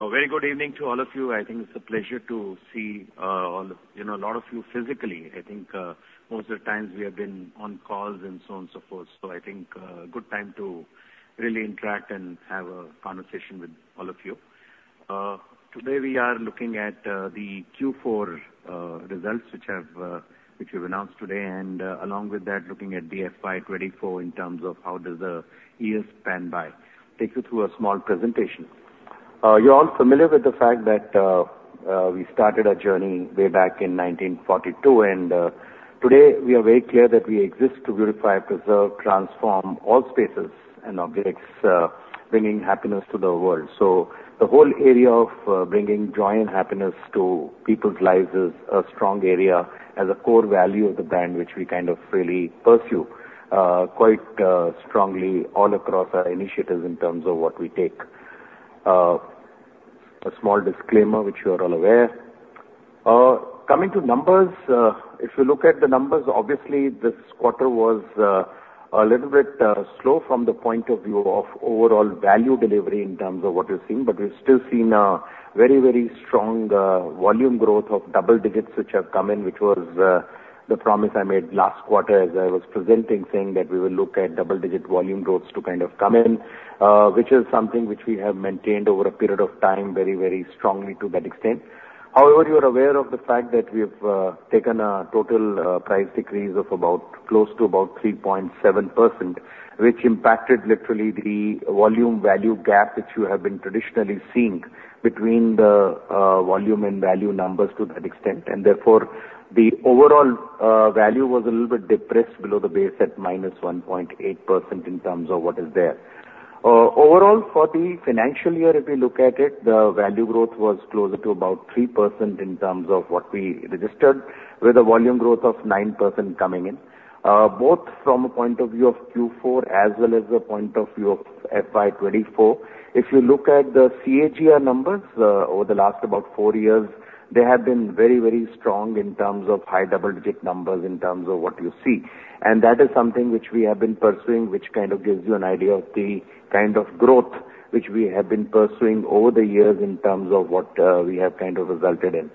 ...A very good evening to all of you. I think it's a pleasure to see, all of, you know, a lot of you physically. I think, most of the times we have been on calls and so on, so forth. So I think, good time to really interact and have a conversation with all of you. Today, we are looking at, the Q4 results, which have, which we've announced today, and, along with that, looking at the FY 2024 in terms of how does the year stand by. Take you through a small presentation. You're all familiar with the fact that, we started our journey way back in 1942, and, today we are very clear that we exist to beautify, preserve, transform all spaces and objects, bringing happiness to the world. So the whole area of bringing joy and happiness to people's lives is a strong area as a core value of the brand, which we kind of really pursue quite strongly all across our initiatives in terms of what we take. A small disclaimer, which you are all aware. Coming to numbers, if you look at the numbers, obviously this quarter was a little bit slow from the point of view of overall value delivery in terms of what you're seeing. But we've still seen a very, very strong volume growth of double digits, which have come in, which was the promise I made last quarter as I was presenting, saying that we will look at double-digit volume growths to kind of come in, which is something which we have maintained over a period of time, very, very strongly to that extent. However, you are aware of the fact that we've taken a total price decrease of about close to about 3.7%, which impacted literally the volume-value gap that you have been traditionally seeing between the volume and value numbers to that extent. And therefore, the overall value was a little bit depressed below the base at -1.8% in terms of what is there. Overall, for the financial year, if we look at it, the value growth was closer to about 3% in terms of what we registered, with a volume growth of 9% coming in. Both from a point of view of Q4 as well as a point of view of FY 2024, if you look at the CAGR numbers, over the last about four years, they have been very, very strong in terms of high double-digit numbers, in terms of what you see. And that is something which we have been pursuing, which kind of gives you an idea of the kind of growth which we have been pursuing over the years in terms of what we have kind of resulted in.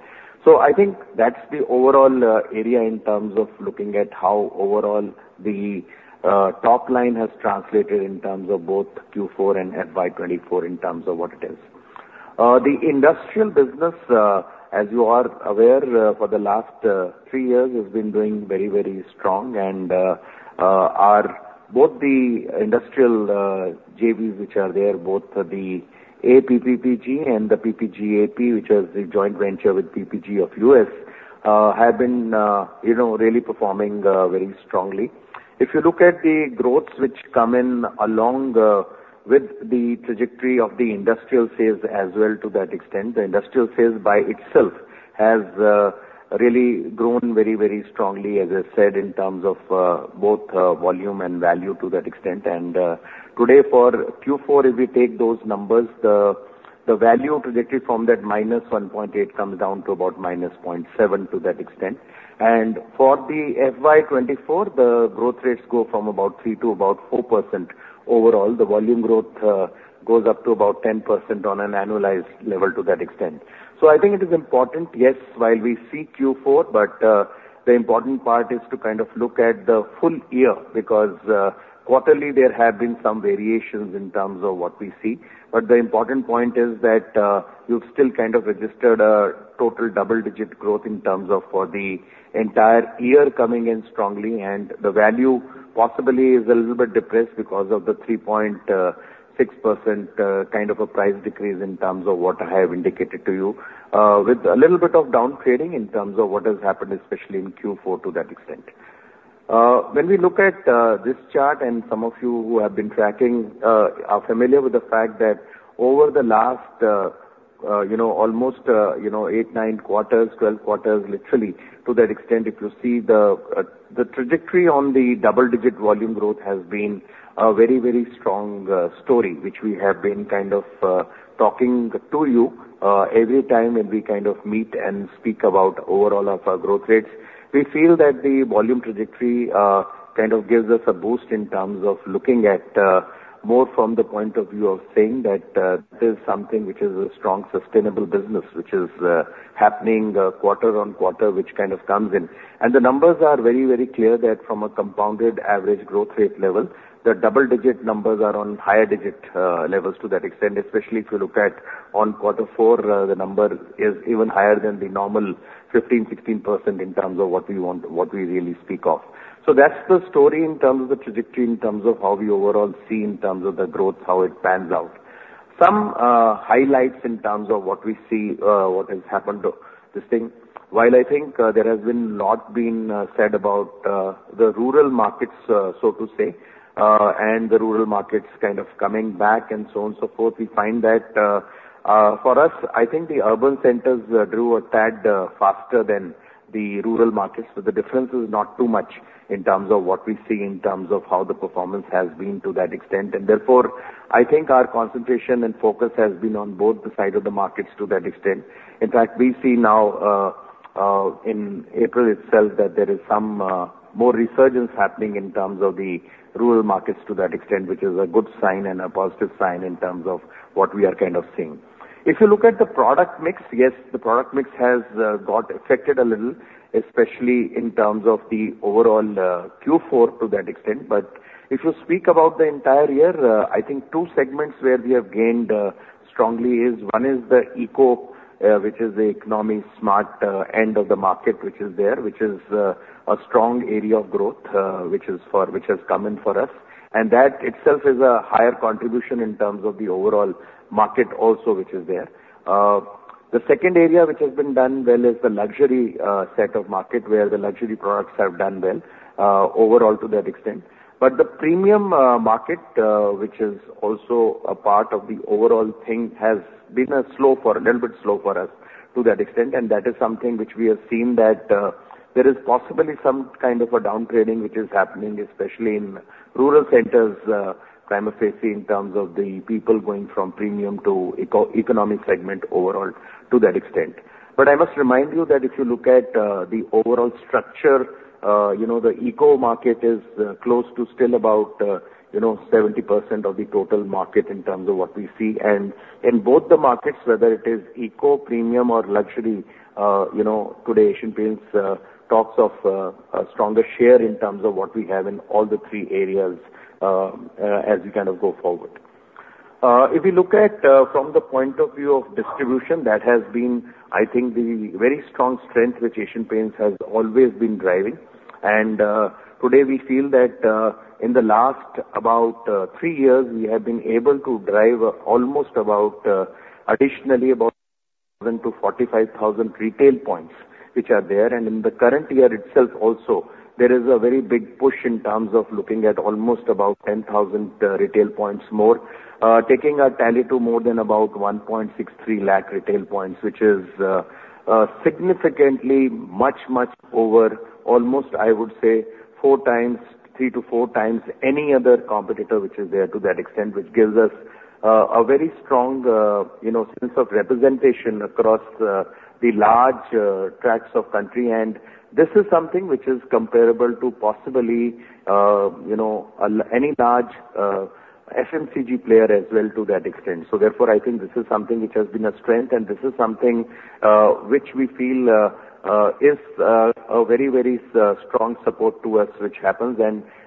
So I think that's the overall area in terms of looking at how overall the top line has translated in terms of both Q4 and FY 2024, in terms of what it is. The industrial business, as you are aware, for the last three years, has been doing very, very strong. And our both the industrial JVs which are there, both the APPPG and the PPGAP, which is the joint venture with PPG of U.S., have been, you know, really performing very strongly. If you look at the growths which come in along with the trajectory of the industrial sales as well, to that extent, the industrial sales by itself has really grown very, very strongly, as I said, in terms of both volume and value to that extent. Today for Q4, if we take those numbers, the value trajectory from that -1.8 comes down to about -0.7, to that extent. And for the FY 2024, the growth rates go from about 3% to about 4%. Overall, the volume growth goes up to about 10% on an annualized level to that extent. So I think it is important, yes, while we see Q4, but the important part is to kind of look at the full year, because quarterly there have been some variations in terms of what we see. But the important point is that, you've still kind of registered a total double-digit growth in terms of for the entire year coming in strongly, and the value possibly is a little bit depressed because of the 3.6%, kind of a price decrease in terms of what I have indicated to you. With a little bit of downtrading in terms of what has happened, especially in Q4 to that extent. When we look at this chart, and some of you who have been tracking are familiar with the fact that over the last, you know, almost, you know, eight, nine quarters, 12 quarters, literally, to that extent, if you see the trajectory on the double-digit volume growth has been a very, very strong story, which we have been kind of talking to you every time when we kind of meet and speak about overall of our growth rates. We feel that the volume trajectory kind of gives us a boost in terms of looking at more from the point of view of saying that this is something which is a strong, sustainable business, which is happening quarter on quarter, which kind of comes in. The numbers are very, very clear that from a compounded average growth rate level, the double-digit numbers are on higher digit levels to that extent, especially if you look at on quarter four, the number is even higher than the normal 15, 16% in terms of what we want, what we really speak of. That's the story in terms of the trajectory, in terms of how we overall see, in terms of the growth, how it pans out. Some highlights in terms of what we see, what has happened to this thing. While I think, there has been lot been said about the rural markets, so to say, and the rural markets kind of coming back and so on, so forth, we find that, for us, I think the urban centers grew a tad faster than the rural markets. But the difference is not too much in terms of what we see, in terms of how the performance has been to that extent. And therefore, I think our concentration and focus has been on both the side of the markets to that extent. In fact, we see now, in April itself, that there is some more resurgence happening in terms of the rural markets to that extent, which is a good sign and a positive sign in terms of what we are kind of seeing. If you look at the product mix, yes, the product mix has got affected a little, especially in terms of the overall Q4 to that extent. But if you speak about the entire year, I think two segments where we have gained strongly is, one is the eco, which is the economy smart end of the market, which is there, which is a strong area of growth, which has come in for us, and that itself is a higher contribution in terms of the overall market also, which is there. The second area which has been done well is the luxury set of market, where the luxury products have done well overall to that extent. But the premium market, which is also a part of the overall thing, has been a little bit slow for us to that extent, and that is something which we have seen that there is possibly some kind of a downgrading which is happening, especially in rural centers, prima facie, in terms of the people going from premium to economy segment overall to that extent. But I must remind you that if you look at the overall structure, you know, the economy market is close to still about, you know, 70% of the total market in terms of what we see. In both the markets, whether it is eco, premium or luxury, you know, today Asian Paints talks of a stronger share in terms of what we have in all the 3 areas, as we kind of go forward. If you look at from the point of view of distribution, that has been, I think, the very strong strength which Asian Paints has always been driving. Today we feel that in the last about 3 years, we have been able to drive almost about additionally about 72-45 thousand retail points, which are there. In the current year itself also, there is a very big push in terms of looking at almost about 10,000 retail points more, taking our tally to more than about 163,000 retail points, which is significantly much, much over, almost, I would say, 4 times, 3-4 times any other competitor which is there to that extent, which gives us a very strong, you know, sense of representation across the large tracts of country. And this is something which is comparable to possibly, you know, any large FMCG player as well to that extent. So therefore, I think this is something which has been a strength, and this is something which we feel is a very, very strong support to us, which happens.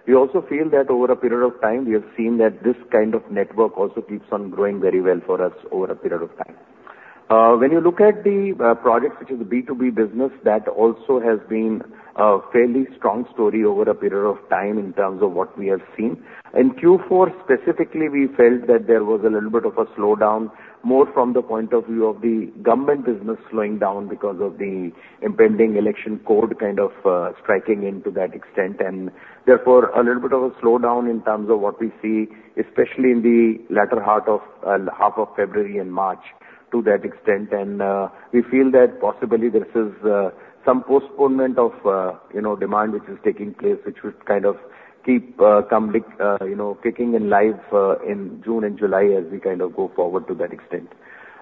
We also feel that over a period of time, we have seen that this kind of network also keeps on growing very well for us over a period of time. When you look at the projects, which is the B2B business, that also has been a fairly strong story over a period of time in terms of what we have seen. In Q4 specifically, we felt that there was a little bit of a slowdown, more from the point of view of the government business slowing down because of the impending election code kind of striking into that extent. Therefore, a little bit of a slowdown in terms of what we see, especially in the latter half of half of February and March to that extent. We feel that possibly this is some postponement of you know demand which is taking place, which would kind of keep coming you know kicking in like in June and July as we kind of go forward to that extent.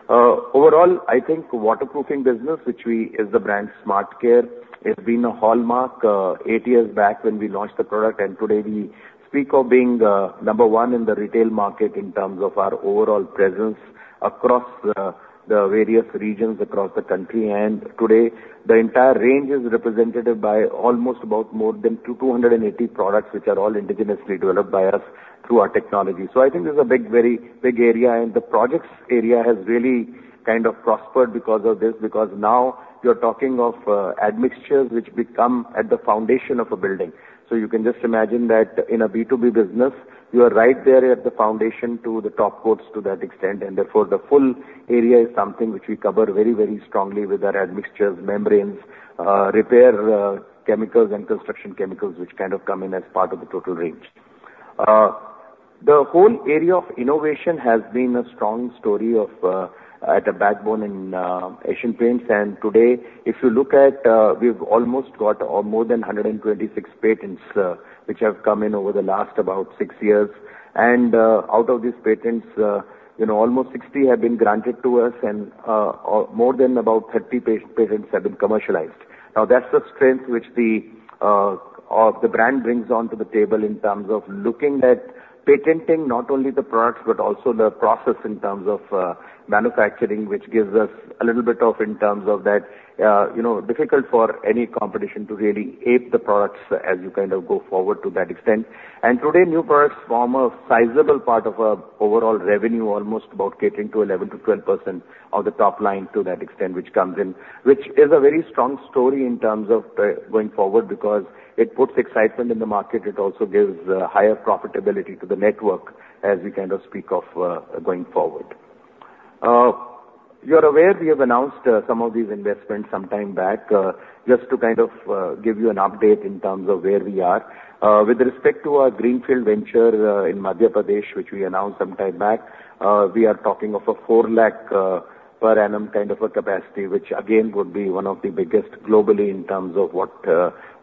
Overall, I think waterproofing business, which is the brand SmartCare, it's been a hallmark 8 years back when we launched the product, and today we speak of being number one in the retail market in terms of our overall presence across the various regions across the country. Today, the entire range is represented by almost about more than 280 products, which are all indigenously developed by us through our technology. So I think this is a big, very big area, and the projects area has really kind of prospered because of this, because now you're talking of admixtures which become at the foundation of a building. So you can just imagine that in a B2B business, you are right there at the foundation to the top coats to that extent, and therefore, the full area is something which we cover very, very strongly with our admixtures, membranes, repair chemicals and construction chemicals, which kind of come in as part of the total range. The whole area of innovation has been a strong story of at the backbone in Asian Paints. And today, if you look at, we've almost got more than 126 patents, which have come in over the last about six years. Out of these patents, you know, almost 60 have been granted to us and, more than about 30 patents have been commercialized. Now, that's the strength which the, the brand brings onto the table in terms of looking at patenting not only the products, but also the process in terms of manufacturing, which gives us a little bit of... in terms of that, you know, difficult for any competition to really ape the products as you kind of go forward to that extent. And today, new products form a sizable part of our overall revenue, almost about getting to 11%-12% of the top line to that extent, which comes in, which is a very strong story in terms of going forward, because it puts excitement in the market. It also gives higher profitability to the network as we kind of speak of going forward. You're aware we have announced some of these investments some time back. Just to kind of give you an update in terms of where we are. With respect to our greenfield venture in Madhya Pradesh, which we announced some time back, we are talking of a 4 lakh per annum kind of a capacity, which again, would be one of the biggest globally in terms of what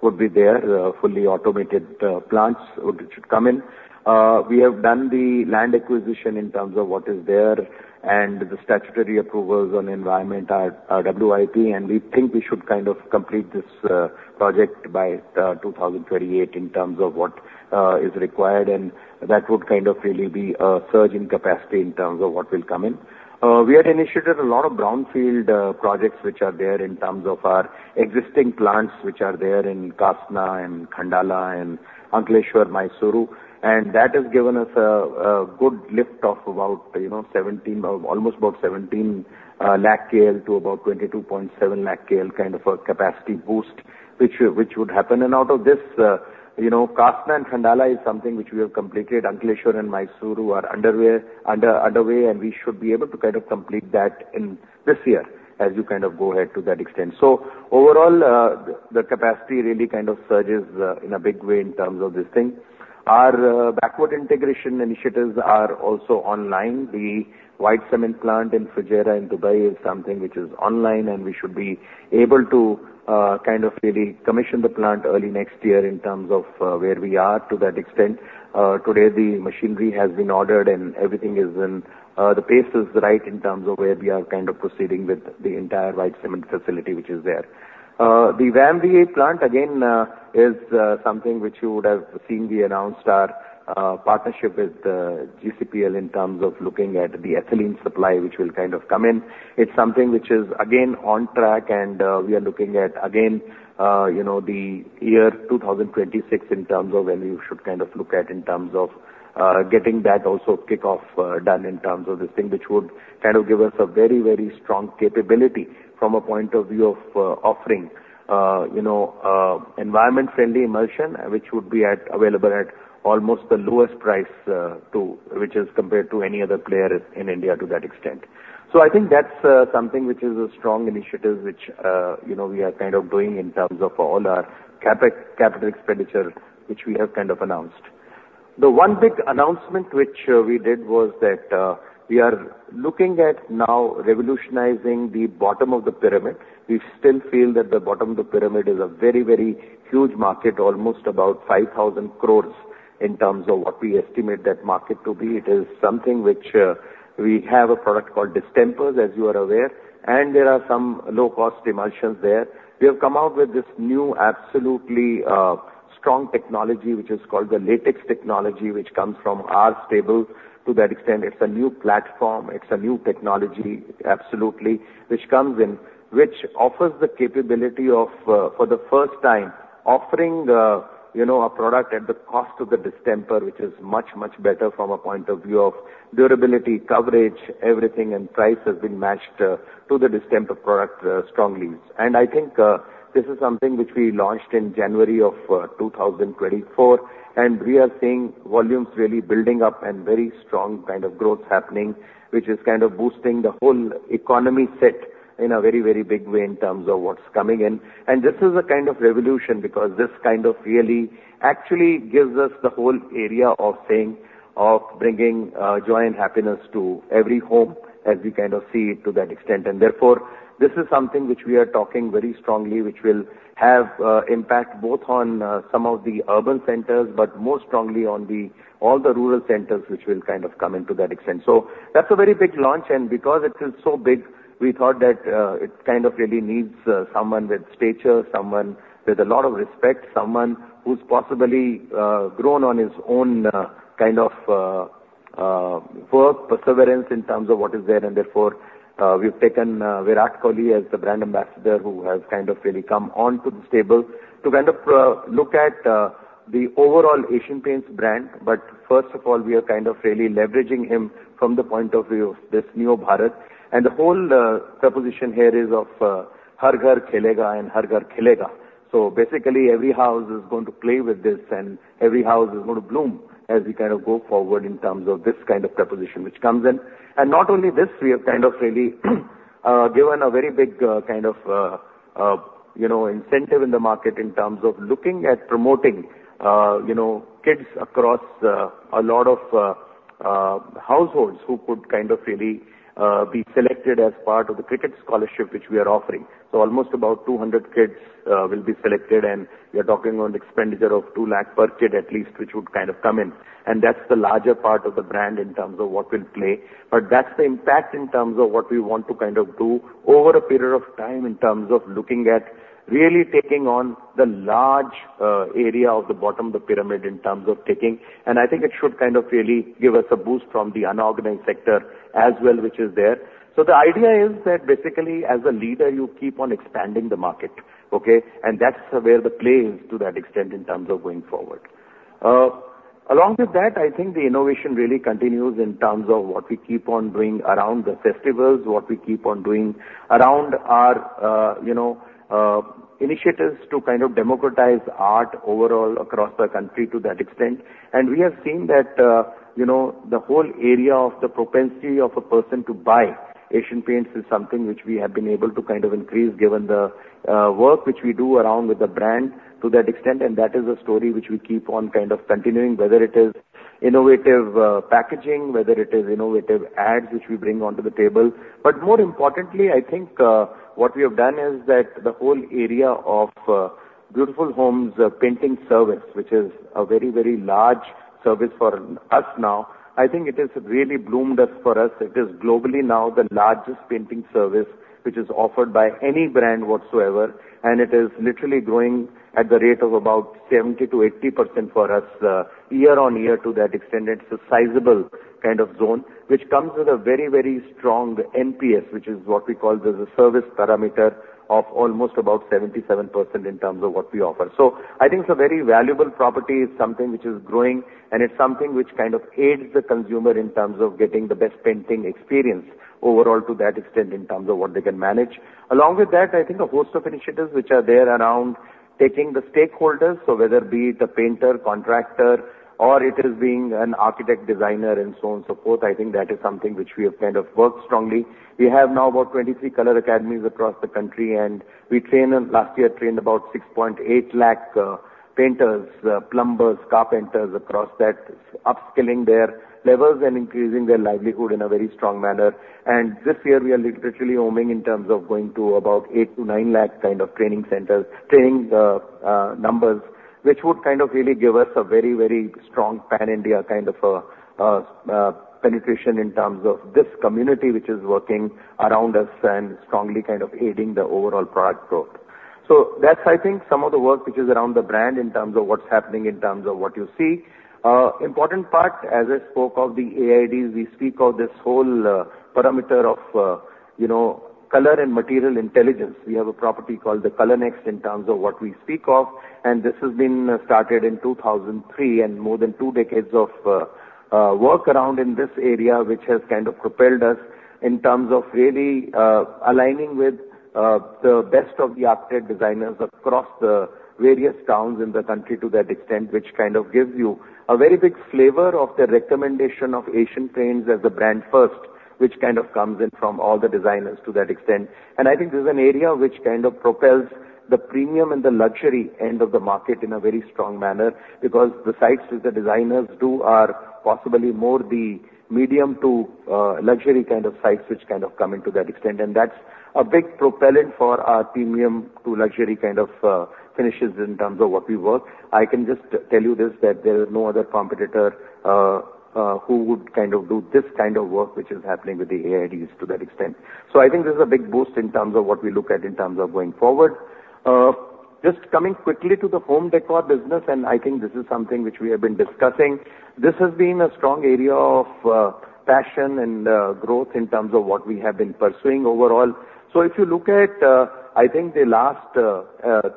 would be there, fully automated plants which should come in. We have done the land acquisition in terms of what is there and the statutory approvals on environment are WIP, and we think we should kind of complete this project by 2028 in terms of what is required, and that would kind of really be a surge in capacity in terms of what will come in. We had initiated a lot of brownfield projects which are there in terms of our existing plants, which are there in Kasna and Khandala and Ankleshwar, Mysuru, and that has given us a good lift of about 17, you know, almost about 17 lakh KL to about 22.7 lakh KL, kind of a capacity boost, which would happen. And out of this, you know, Kasna and Khandala is something which we have completed. Ankleshwar and Mysuru are underway, and we should be able to kind of complete that in this year as you kind of go ahead to that extent. So overall, the capacity really kind of surges in a big way in terms of this thing. Our backward integration initiatives are also online. The white cement plant in Fujairah in Dubai is something which is online, and we should be able to kind of really commission the plant early next year in terms of where we are to that extent. Today, the machinery has been ordered and everything is in, the pace is right in terms of where we are kind of proceeding with the entire white cement facility which is there. The VAM-VAE plant, again, is something which you would have seen. We announced our partnership with BPCL in terms of looking at the ethylene supply, which will kind of come in. It's something which is again on track, and we are looking at again you know the year 2026 in terms of when you should kind of look at in terms of getting that also kick-off done in terms of this thing, which would kind of give us a very very strong capability from a point of view of offering you know environment-friendly emulsion, which would be available at almost the lowest price to which is compared to any other player in India to that extent. So I think that's something which is a strong initiative, which, you know, we are kind of doing in terms of all our CapEx, capital expenditure, which we have kind of announced. The one big announcement which we did was that we are looking at now revolutionizing the bottom of the pyramid. We still feel that the bottom of the pyramid is a very, very huge market, almost about 5,000 crore in terms of what we estimate that market to be. It is something which we have a product called distemper, as you are aware, and there are some low-cost emulsions there. We have come out with this new, absolutely, strong technology, which is called the Latex technology, which comes from our stable. To that extent, it's a new platform. It's a new technology, absolutely, which comes in, which offers the capability of, for the first time offering, you know, a product at the cost of the distemper, which is much, much better from a point of view of durability, coverage, everything, and price has been matched to the distemper product, strongly. And I think, this is something which we launched in January of 2024, and we are seeing volumes really building up and very strong kind of growth happening, which is kind of boosting the whole economy set in a very, very big way in terms of what's coming in. And this is a kind of revolution, because this kind of really actually gives us the whole area of saying, of bringing, joy and happiness to every home as we kind of see it to that extent. And therefore, this is something which we are talking very strongly, which will have impact both on some of the urban centers, but more strongly on all the rural centers, which will kind of come in to that extent. So that's a very big launch, and because it is so big, we thought that it kind of really needs someone with stature, someone with a lot of respect, someone who's possibly grown on his own kind of work perseverance in terms of what is there. And therefore, we've taken Virat Kohli as the brand ambassador, who has kind of really come on to this table to kind of look at the overall Asian Paints brand. But first of all, we are kind of really leveraging him from the point of view of this NeoBharat. And the whole proposition here is of Har Ghar Khelega, Har Ghar Khilega. So basically, every house is going to play with this, and every house is going to bloom as we kind of go forward in terms of this kind of proposition which comes in. And not only this, we have kind of really given a very big kind of, you know, incentive in the market in terms of looking at promoting, you know, kids across a lot of households who could kind of really be selected as part of the cricket scholarship, which we are offering. So almost about 200 kids will be selected, and we are talking on the expenditure of 2 lakh per kid, at least, which would kind of come in, and that's the larger part of the brand in terms of what will play. But that's the impact in terms of what we want to kind of do over a period of time, in terms of looking at really taking on the large area of the bottom of the pyramid in terms of taking. And I think it should kind of really give us a boost from the unorganized sector as well, which is there. So the idea is that basically, as a leader, you keep on expanding the market, okay? That's where the play is to that extent in terms of going forward. Along with that, I think the innovation really continues in terms of what we keep on doing around the festivals, what we keep on doing around our, you know, initiatives to kind of democratize art overall across the country to that extent. And we have seen that, you know, the whole area of the propensity of a person to buy Asian Paints is something which we have been able to kind of increase, given the, work which we do around with the brand to that extent. And that is a story which we keep on kind of continuing, whether it is innovative, packaging, whether it is innovative ads which we bring onto the table. But more importantly, I think, what we have done is that the whole area of Beautiful Homes Painting Service, which is a very, very large service for us now, I think it has really bloomed us for us. It is globally now the largest painting service, which is offered by any brand whatsoever, and it is literally growing at the rate of about 70%-80% for us year-on-year to that extent. It's a sizable kind of zone, which comes with a very, very strong NPS, which is what we call the service parameter of almost about 77% in terms of what we offer. So I think it's a very valuable property, it's something which is growing, and it's something which kind of aids the consumer in terms of getting the best painting experience overall to that extent, in terms of what they can manage. Along with that, I think a host of initiatives which are there around taking the stakeholders, so whether it be the painter, contractor, or it is being an architect, designer, and so on, so forth, I think that is something which we have kind of worked strongly. We have now about 23 Colour Academies across the country, and last year trained about 680,000 painters, plumbers, carpenters across that, upskilling their levels and increasing their livelihood in a very strong manner. This year, we are literally homing in terms of going to about 8-9 lakh kind of training centers, training numbers, which would kind of really give us a very, very strong pan-India kind of penetration in terms of this community, which is working around us and strongly kind of aiding the overall product growth. So that's, I think, some of the work which is around the brand in terms of what's happening, in terms of what you see. Important part, as I spoke of the A&IDs, we speak of this whole parameter of, you know, color and material intelligence. We have a property called the ColourNext, in terms of what we speak of, and this has been started in 2003, and more than two decades of work around in this area, which has kind of propelled us in terms of really aligning with the best of the architect designers across the various towns in the country to that extent. Which kind of gives you a very big flavor of the recommendation of Asian Paints as a brand first, which kind of comes in from all the designers to that extent. I think this is an area which kind of propels the premium and the luxury end of the market in a very strong manner, because the sites which the designers do are possibly more the medium to luxury kind of sites, which kind of come into that extent. That's a big propellant for our premium to luxury kind of finishes in terms of what we work. I can just tell you this, that there is no other competitor who would kind of do this kind of work, which is happening with the A&IDs to that extent. I think this is a big boost in terms of what we look at in terms of going forward. Just coming quickly to the home décor business, and I think this is something which we have been discussing. This has been a strong area of passion and growth in terms of what we have been pursuing overall. So if you look at, I think the last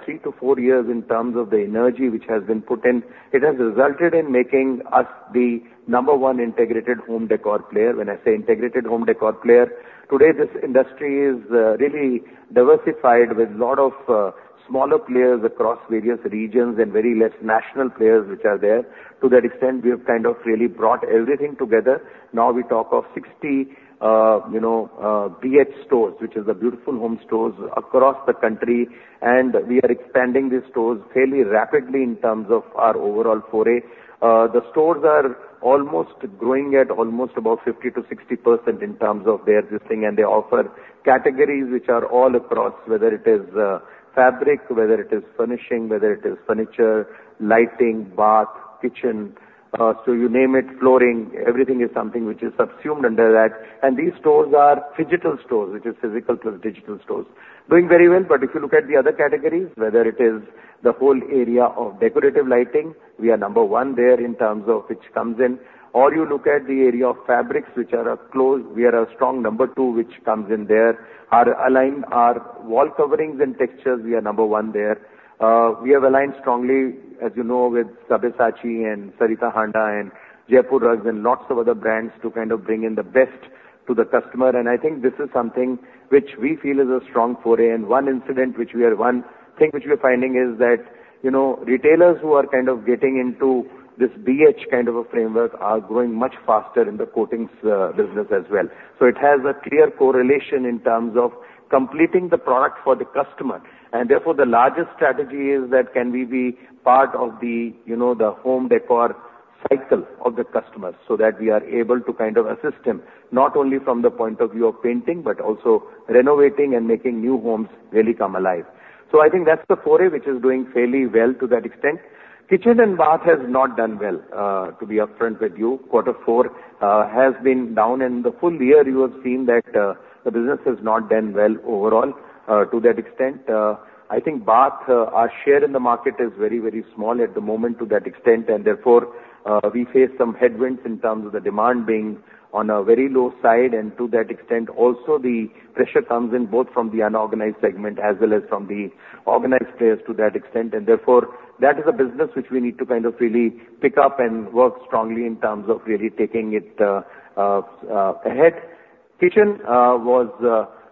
three to four years in terms of the energy which has been put in, it has resulted in making us the number one integrated home decor player. When I say integrated home decor player, today, this industry is really diversified with a lot of smaller players across various regions and very less national players which are there. To that extent, we have kind of really brought everything together. Now, we talk of 60, you know, BH stores, which is the Beautiful Homes stores across the country, and we are expanding these stores fairly rapidly in terms of our overall foray. The stores are almost growing at almost about 50%-60% in terms of their existing, and they offer categories which are all across, whether it is fabric, whether it is furnishing, whether it is furniture, lighting, bath, kitchen, so you name it, flooring, everything is something which is subsumed under that. And these stores are phygital stores, which is physical to the digital stores. Doing very well, but if you look at the other categories, whether it is the whole area of decorative lighting, we are number one there in terms of which comes in. Or you look at the area of fabrics, which are our clothes, we are a strong number two, which comes in there. Our Nilaya, our wall coverings and textures, we are number one there. We have aligned strongly, as you know, with Sabyasachi and Sarita Handa and Jaipur Rugs and lots of other brands to kind of bring in the best to the customer. And I think this is something which we feel is a strong foray. And one thing which we are finding is that, you know, retailers who are kind of getting into this BH kind of a framework are growing much faster in the coatings business as well. So it has a clear correlation in terms of completing the product for the customer. And therefore, the largest strategy is that can we be part of the, you know, the home decor cycle of the customers, so that we are able to kind of assist them, not only from the point of view of painting, but also renovating and making new homes really come alive. So I think that's the foray, which is doing fairly well to that extent. Kitchen and bath has not done well, to be upfront with you. Quarter four has been down, and the full year, you have seen that, the business has not done well overall. To that extent, I think Bath, our share in the market is very, very small at the moment to that extent, and therefore, we face some headwinds in terms of the demand being on a very low side, and to that extent, also the pressure comes in both from the unorganized segment as well as from the organized players to that extent. And therefore, that is a business which we need to kind of really pick up and work strongly in terms of really taking it ahead. Kitchen was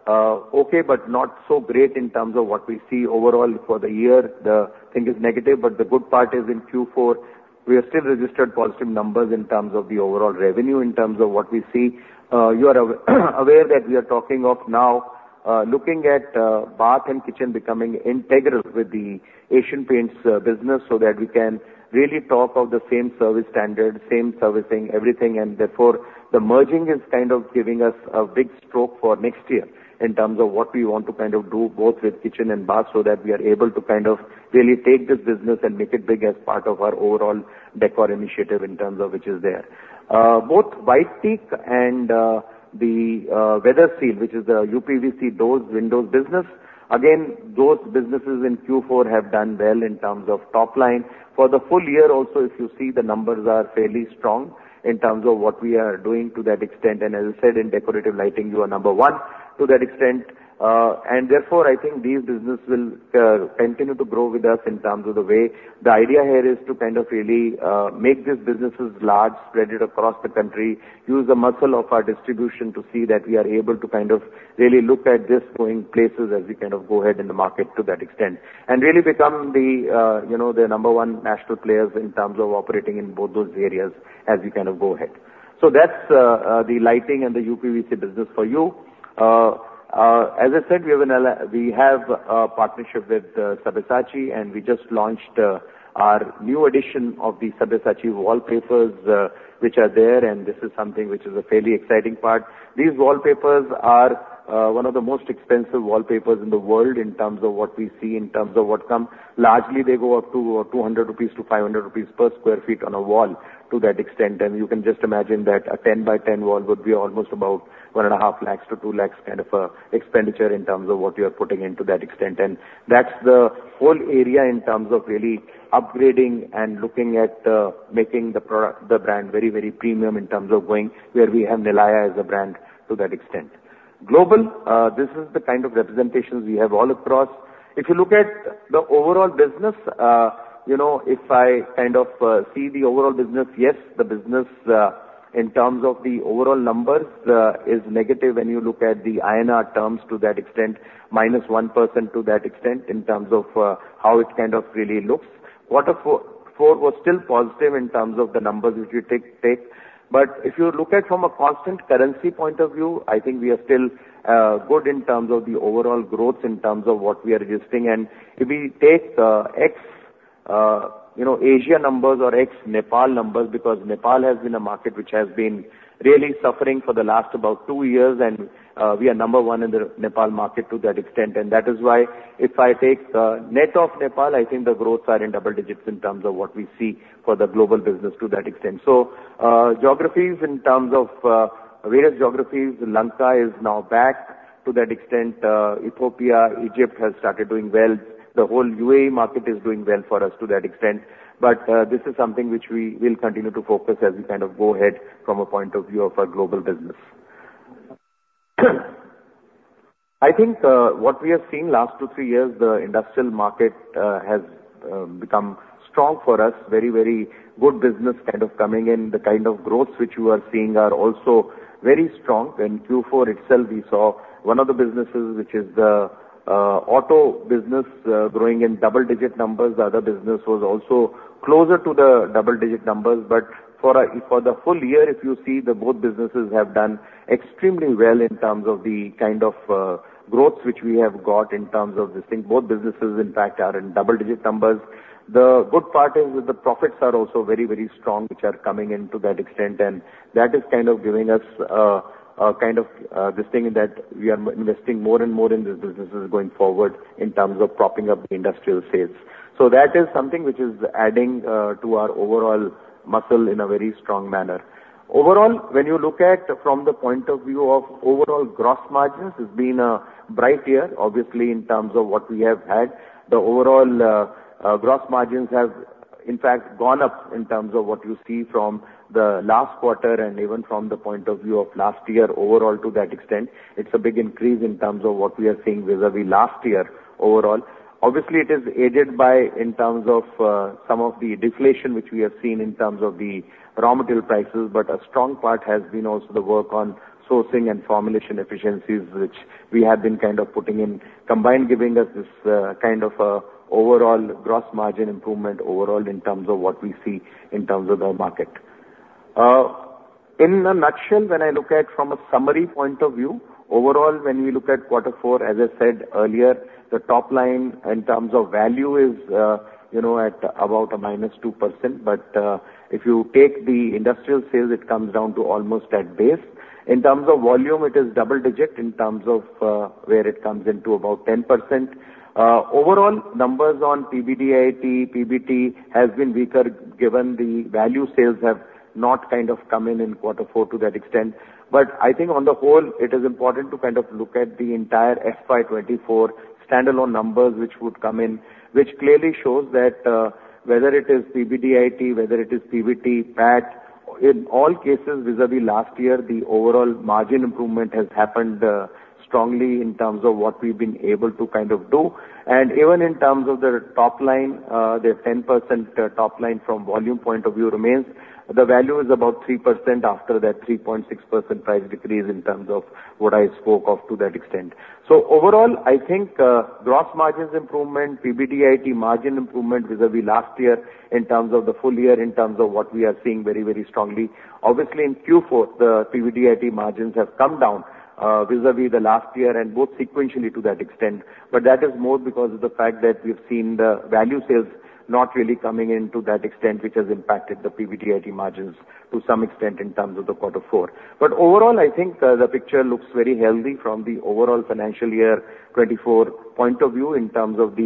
okay, but not so great in terms of what we see overall for the year. The thing is negative, but the good part is in Q4, we have still registered positive numbers in terms of the overall revenue, in terms of what we see. You are aware that we are talking of now looking at bath and kitchen becoming integral with the Asian Paints business, so that we can really talk of the same service standard, same servicing, everything. And therefore, the merging is kind of giving us a big stroke for next year in terms of what we want to kind of do, both with kitchen and bath, so that we are able to kind of really take this business and make it big as part of our overall decor initiative in terms of which is there. Both White Teak and the Weatherseal, which is the uPVC doors, windows business, again, those businesses in Q4 have done well in terms of top line. For the full year also, if you see, the numbers are fairly strong in terms of what we are doing to that extent, and as I said, in decorative lighting, we are number one to that extent. And therefore, I think these business will continue to grow with us in terms of the way. The idea here is to kind of really make these businesses large, spread it across the country, use the muscle of our distribution to see that we are able to kind of really look at this going places as we kind of go ahead in the market to that extent. Really become the, you know, the number one national players in terms of operating in both those areas as we kind of go ahead. So that's the lighting and the uPVC business for you. As I said, we have a partnership with Sabyasachi, and we just launched our new edition of the Sabyasachi wallpapers, which are there, and this is something which is a fairly exciting part. These wallpapers are one of the most expensive wallpapers in the world in terms of what we see, in terms of what comes. Largely, they go up to 200-500 rupees per sq ft on a wall to that extent. You can just imagine that a 10-by-10 wall would be almost about 1.5 lakh-2 lakh kind of expenditure in terms of what you are putting into that extent. That's the whole area in terms of really upgrading and looking at making the product, the brand, very, very premium in terms of going where we have Nilaya as a brand to that extent. Global, this is the kind of representations we have all across. If you look at the overall business, you know, if I kind of see the overall business, yes, the business in terms of the overall numbers is negative when you look at the INR terms to that extent, -1% to that extent, in terms of how it kind of really looks. Quarter four, four was still positive in terms of the numbers, which you take, take. But if you look at from a constant currency point of view, I think we are still good in terms of the overall growth, in terms of what we are registering. And if we take ex, you know, Asia numbers or ex-Nepal numbers, because Nepal has been a market which has been really suffering for the last about two years, and we are number one in the Nepal market to that extent. And that is why if I take net of Nepal, I think the growth are in double digits in terms of what we see for the global business to that extent. So, geographies, in terms of various geographies, Lanka is now back to that extent. Ethiopia, Egypt has started doing well. The whole UAE market is doing well for us to that extent. But, this is something which we will continue to focus as we kind of go ahead from a point of view of our global business. I think, what we have seen last two, three years, the industrial market, has, become strong for us. Very, very good business kind of coming in. The kind of growth which we are seeing are also very strong. In Q4 itself, we saw one of the businesses, which is the, auto business, growing in double-digit numbers. The other business was also closer to the double-digit numbers, but for a, for the full year, if you see the both businesses have done extremely well in terms of the kind of, growth which we have got in terms of this thing. Both businesses, in fact, are in double-digit numbers. The good part is that the profits are also very, very strong, which are coming in to that extent, and that is kind of giving us, a kind of, this thing that we are investing more and more in these businesses going forward in terms of propping up the industrial sales. So that is something which is adding, to our overall muscle in a very strong manner. Overall, when you look at from the point of view of overall gross margins, it's been a bright year, obviously, in terms of what we have had. The overall, gross margins have, in fact, gone up in terms of what you see from the last quarter and even from the point of view of last year overall to that extent. It's a big increase in terms of what we are seeing vis-à-vis last year overall. Obviously, it is aided by in terms of some of the deflation which we have seen in terms of the raw material prices, but a strong part has been also the work on sourcing and formulation efficiencies, which we have been kind of putting in, combined, giving us this kind of overall gross margin improvement overall in terms of what we see in terms of the market. In a nutshell, when I look at from a summary point of view, overall, when we look at quarter four, as I said earlier, the top line in terms of value is, you know, at about a minus 2%. But, if you take the industrial sales, it comes down to almost at base. In terms of volume, it is double-digit, in terms of where it comes into about 10%. Overall, numbers on PBDIT, PBT has been weaker, given the value sales have not kind of come in in quarter four to that extent. But I think on the whole, it is important to kind of look at the entire FY 2024 standalone numbers, which clearly shows that, whether it is PBDIT, whether it is PBT, PAT, in all cases vis-à-vis last year, the overall margin improvement has happened, strongly in terms of what we've been able to kind of do. And even in terms of the top line, the 10% top line from volume point of view remains. The value is about 3% after that 3.6% price decrease in terms of what I spoke of to that extent. So overall, I think, gross margins improvement, PBDIT margin improvement vis-à-vis last year in terms of the full year, in terms of what we are seeing very, very strongly. Obviously, in Q4, the PBDIT margins have come down, vis-à-vis the last year and both sequentially to that extent. But that is more because of the fact that we've seen the value sales not really coming in to that extent, which has impacted the PBDIT margins to some extent in terms of the quarter four. But overall, I think the picture looks very healthy from the overall financial year 2024 point of view in terms of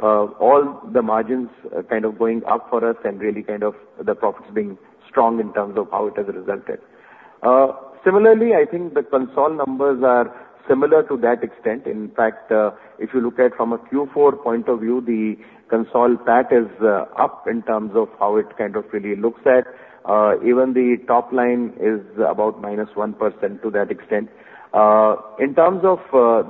all the margins kind of going up for us and really kind of the profits being strong in terms of how it has resulted. Similarly, I think the consolidated numbers are similar to that extent. In fact, if you look at from a Q4 point of view, the consolidated PAT is up in terms of how it kind of really looks at. Even the top line is about -1% to that extent. In terms of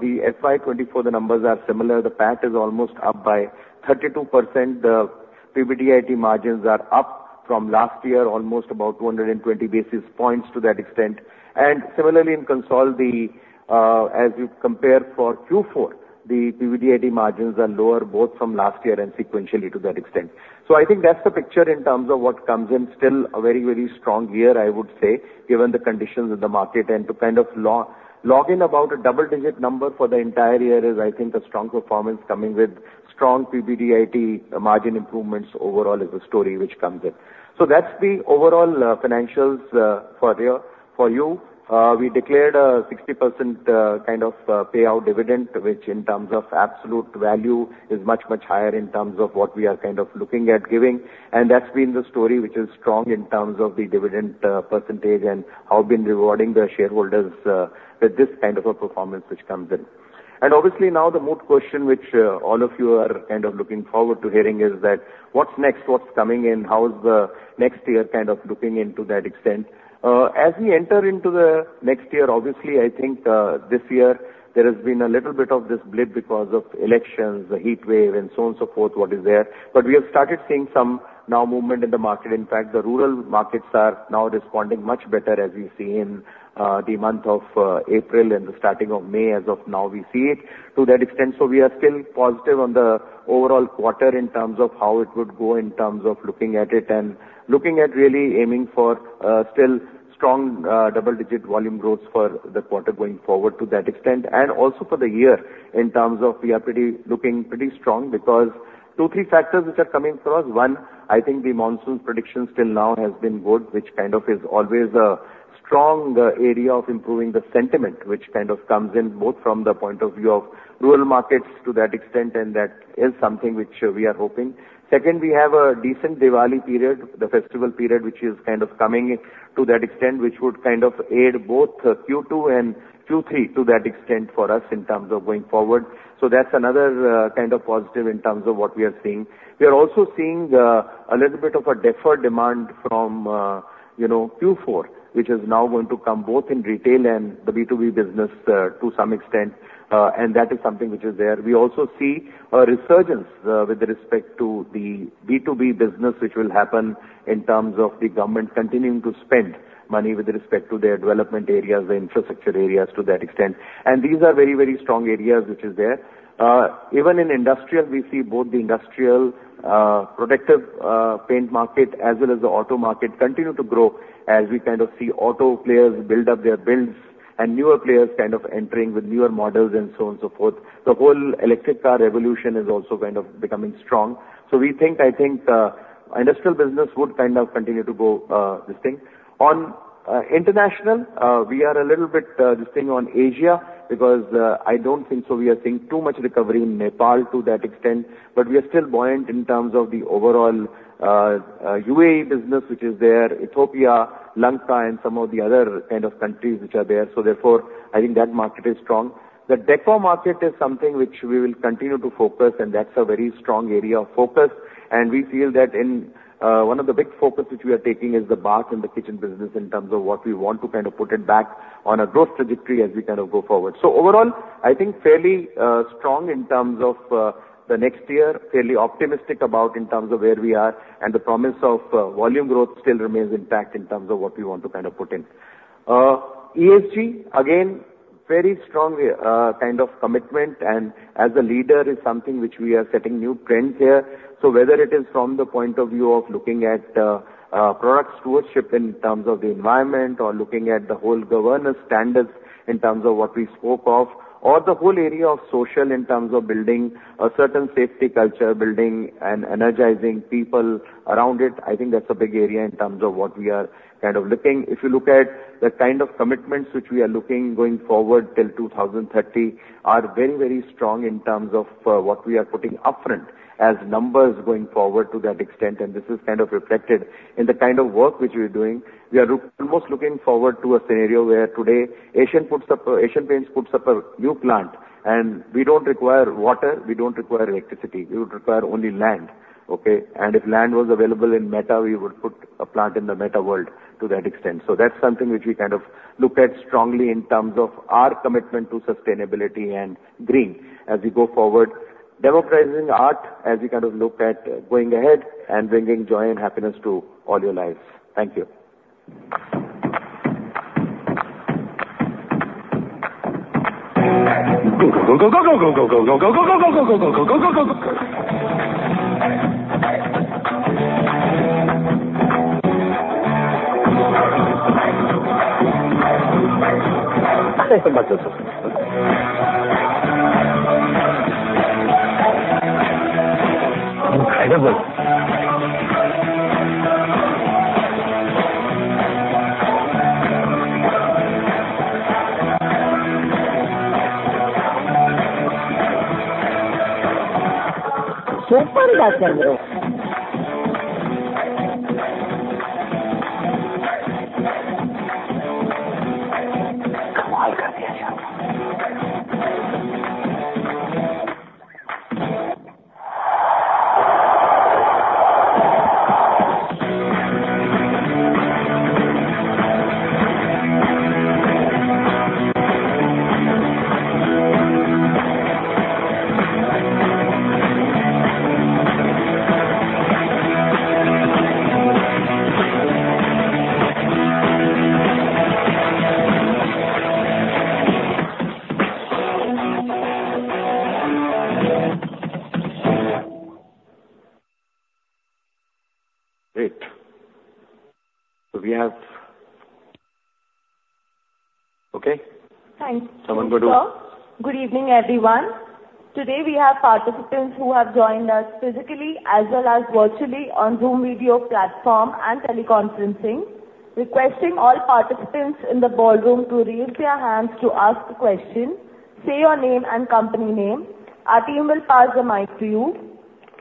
the FY 2024, the numbers are similar. The PAT is almost up by 32%. The PBDIT margins are up from last year, almost about 220 basis points to that extent. And similarly, in Consol, the as you compare for Q4, the PBDIT margins are lower, both from last year and sequentially to that extent. So I think that's the picture in terms of what comes in. Still a very, very strong year, I would say, given the conditions in the market, and to kind of log in about a double-digit number for the entire year is, I think, a strong performance coming with strong PBDIT margin improvements overall is the story which comes in. So that's the overall financials for here, for you. We declared a 60%, kind of, payout dividend, which in terms of absolute value is much, much higher in terms of what we are kind of looking at giving, and that's been the story, which is strong in terms of the dividend percentage and how been rewarding the shareholders with this kind of a performance which comes in. And obviously, now, the moot question which all of you are kind of looking forward to hearing is that what's next? What's coming in? How is the next year kind of looking into that extent? As we enter into the next year, obviously, I think this year there has been a little bit of this blip because of elections, the heat wave and so on and so forth, what is there. But we have started seeing some now movement in the market. In fact, the rural markets are now responding much better, as we see in the month of April and the starting of May. As of now we see it to that extent. So we are still positive on the overall quarter in terms of how it would go, in terms of looking at it and looking at really aiming for still strong double-digit volume growth for the quarter going forward to that extent. And also for the year in terms of we are pretty, looking pretty strong because two, three factors which are coming across. One, I think the monsoon prediction still now has been good, which kind of is always a strong area of improving the sentiment, which kind of comes in both from the point of view of rural markets to that extent, and that is something which we are hoping. Second, we have a decent Diwali period, the festival period, which is kind of coming to that extent, which would kind of aid both Q2 and Q3 to that extent for us in terms of going forward. So that's another kind of positive in terms of what we are seeing. We are also seeing a little bit of a deferred demand from, you know, Q4, which is now going to come both in retail and the B2B business to some extent, and that is something which is there. We also see a resurgence with respect to the B2B business, which will happen in terms of the government continuing to spend money with respect to their development areas, the infrastructure areas to that extent. And these are very, very strong areas which is there. Even in industrial, we see both the industrial, protective, paint market as well as the auto market continue to grow as we kind of see auto players build up their builds and newer players kind of entering with newer models and so on and so forth. The whole electric car revolution is also kind of becoming strong. So we think, I think, industrial business would kind of continue to go, this thing. On, international, we are a little bit, this thing on Asia, because, I don't think so we are seeing too much recovery in Nepal to that extent, but we are still buoyant in terms of the overall, UAE business, which is there, Ethiopia, Lanka, and some of the other kind of countries which are there. So therefore, I think that market is strong. The decor market is something which we will continue to focus, and that's a very strong area of focus. We feel that in one of the big focus which we are taking is the bath and the kitchen business in terms of what we want to kind of put it back on a growth trajectory as we kind of go forward. Overall, I think fairly strong in terms of the next year, fairly optimistic about in terms of where we are and the promise of volume growth still remains intact in terms of what we want to kind of put in. ESG, again, very strong kind of commitment and as a leader is something which we are setting new trends here. So whether it is from the point of view of looking at product stewardship in terms of the environment, or looking at the whole governance standards in terms of what we spoke of, or the whole area of social in terms of building a certain safety culture, building and energizing people around it, I think that's a big area in terms of what we are kind of looking. If you look at the kind of commitments which we are looking going forward till 2030, are very, very strong in terms of what we are putting upfront as numbers going forward to that extent, and this is kind of reflected in the kind of work which we are doing. We are almost looking forward to a scenario where today Asian puts up a, Asian Paints puts up a new plant and we don't require water, we don't require electricity, we would require only land, okay? And if land was available in Meta, we would put a plant in the Meta world to that extent. So that's something which we kind of look at strongly in terms of our commitment to sustainability and green as we go forward. Democratizing art, as we kind of look at going ahead and bringing joy and happiness to all your lives. Thank you. Great. So we have... Okay. Thanks. Someone go to- Good evening, everyone. Today, we have participants who have joined us physically as well as virtually on Zoom video platform and teleconferencing. Requesting all participants in the ballroom to raise their hands to ask a question, say your name and company name. Our team will pass the mic to you.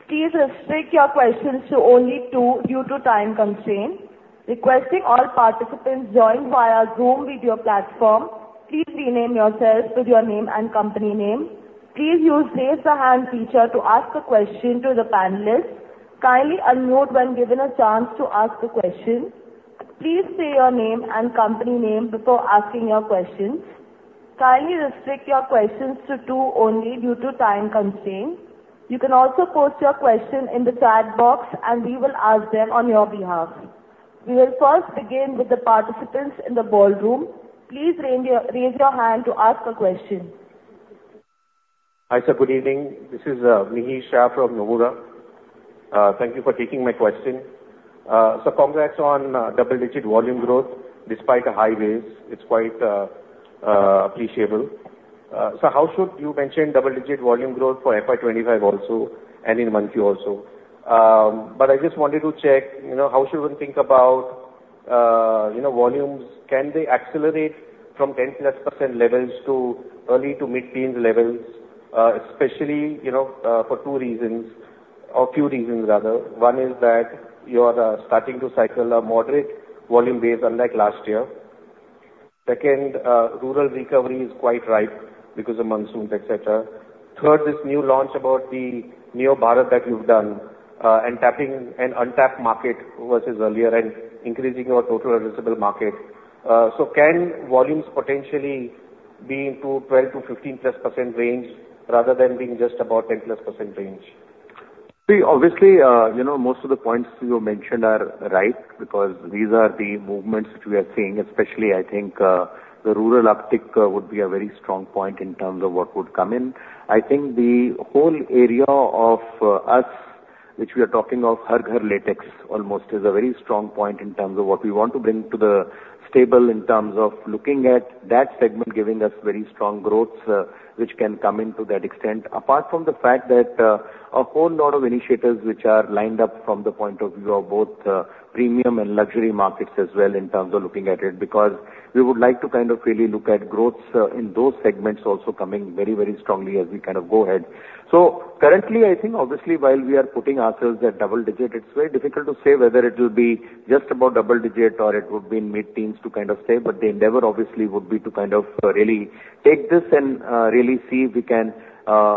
Please restrict your questions to only two due to time constraint. Requesting all participants joined via Zoom video platform, please rename yourselves with your name and company name. Please use Raise a Hand feature to ask a question to the panelist. Kindly unmute when given a chance to ask the question. Please say your name and company name before asking your questions. Kindly restrict your questions to two only due to time constraint. You can also post your question in the chat box, and we will ask them on your behalf. We will first begin with the participants in the ballroom. Please raise your hand to ask a question. Hi, sir. Good evening. This is, Mihir Shah from Nomura. Thank you for taking my question. So congrats on double-digit volume growth despite the high base. It's quite appreciable. So how should... You mentioned double-digit volume growth for FY 25 also, and in monthly also. But I just wanted to check, you know, how should one think about, you know, volumes? Can they accelerate from 10%+ levels to early to mid-teen levels? Especially, you know, for two reasons or few reasons, rather. One is that you are starting to cycle a moderate volume base, unlike last year. Second, rural recovery is quite ripe because of monsoons, et cetera. Third, this new launch about the NeoBharat that you've done, and tapping an untapped market versus earlier and increasing your total addressable market. So, can volumes potentially be into 12-15+% range rather than being just about 10+% range? See, obviously, you know, most of the points you mentioned are right because these are the movements which we are seeing, especially, I think, the rural uptick would be a very strong point in terms of what would come in. I think the whole area of, us, which we are talking of, Har Ghar Latex, almost is a very strong point in terms of what we want to bring to the table, in terms of looking at that segment, giving us very strong growths, which can come into that extent. Apart from the fact that a whole lot of initiatives which are lined up from the point of view of both premium and luxury markets as well in terms of looking at it, because we would like to kind of really look at growth in those segments also coming very, very strongly as we kind of go ahead. So currently, I think obviously, while we are putting ourselves at double-digit, it's very difficult to say whether it will be just about double-digit or it would be in mid-teens to kind of say, but the endeavor obviously would be to kind of really take this and really see if we can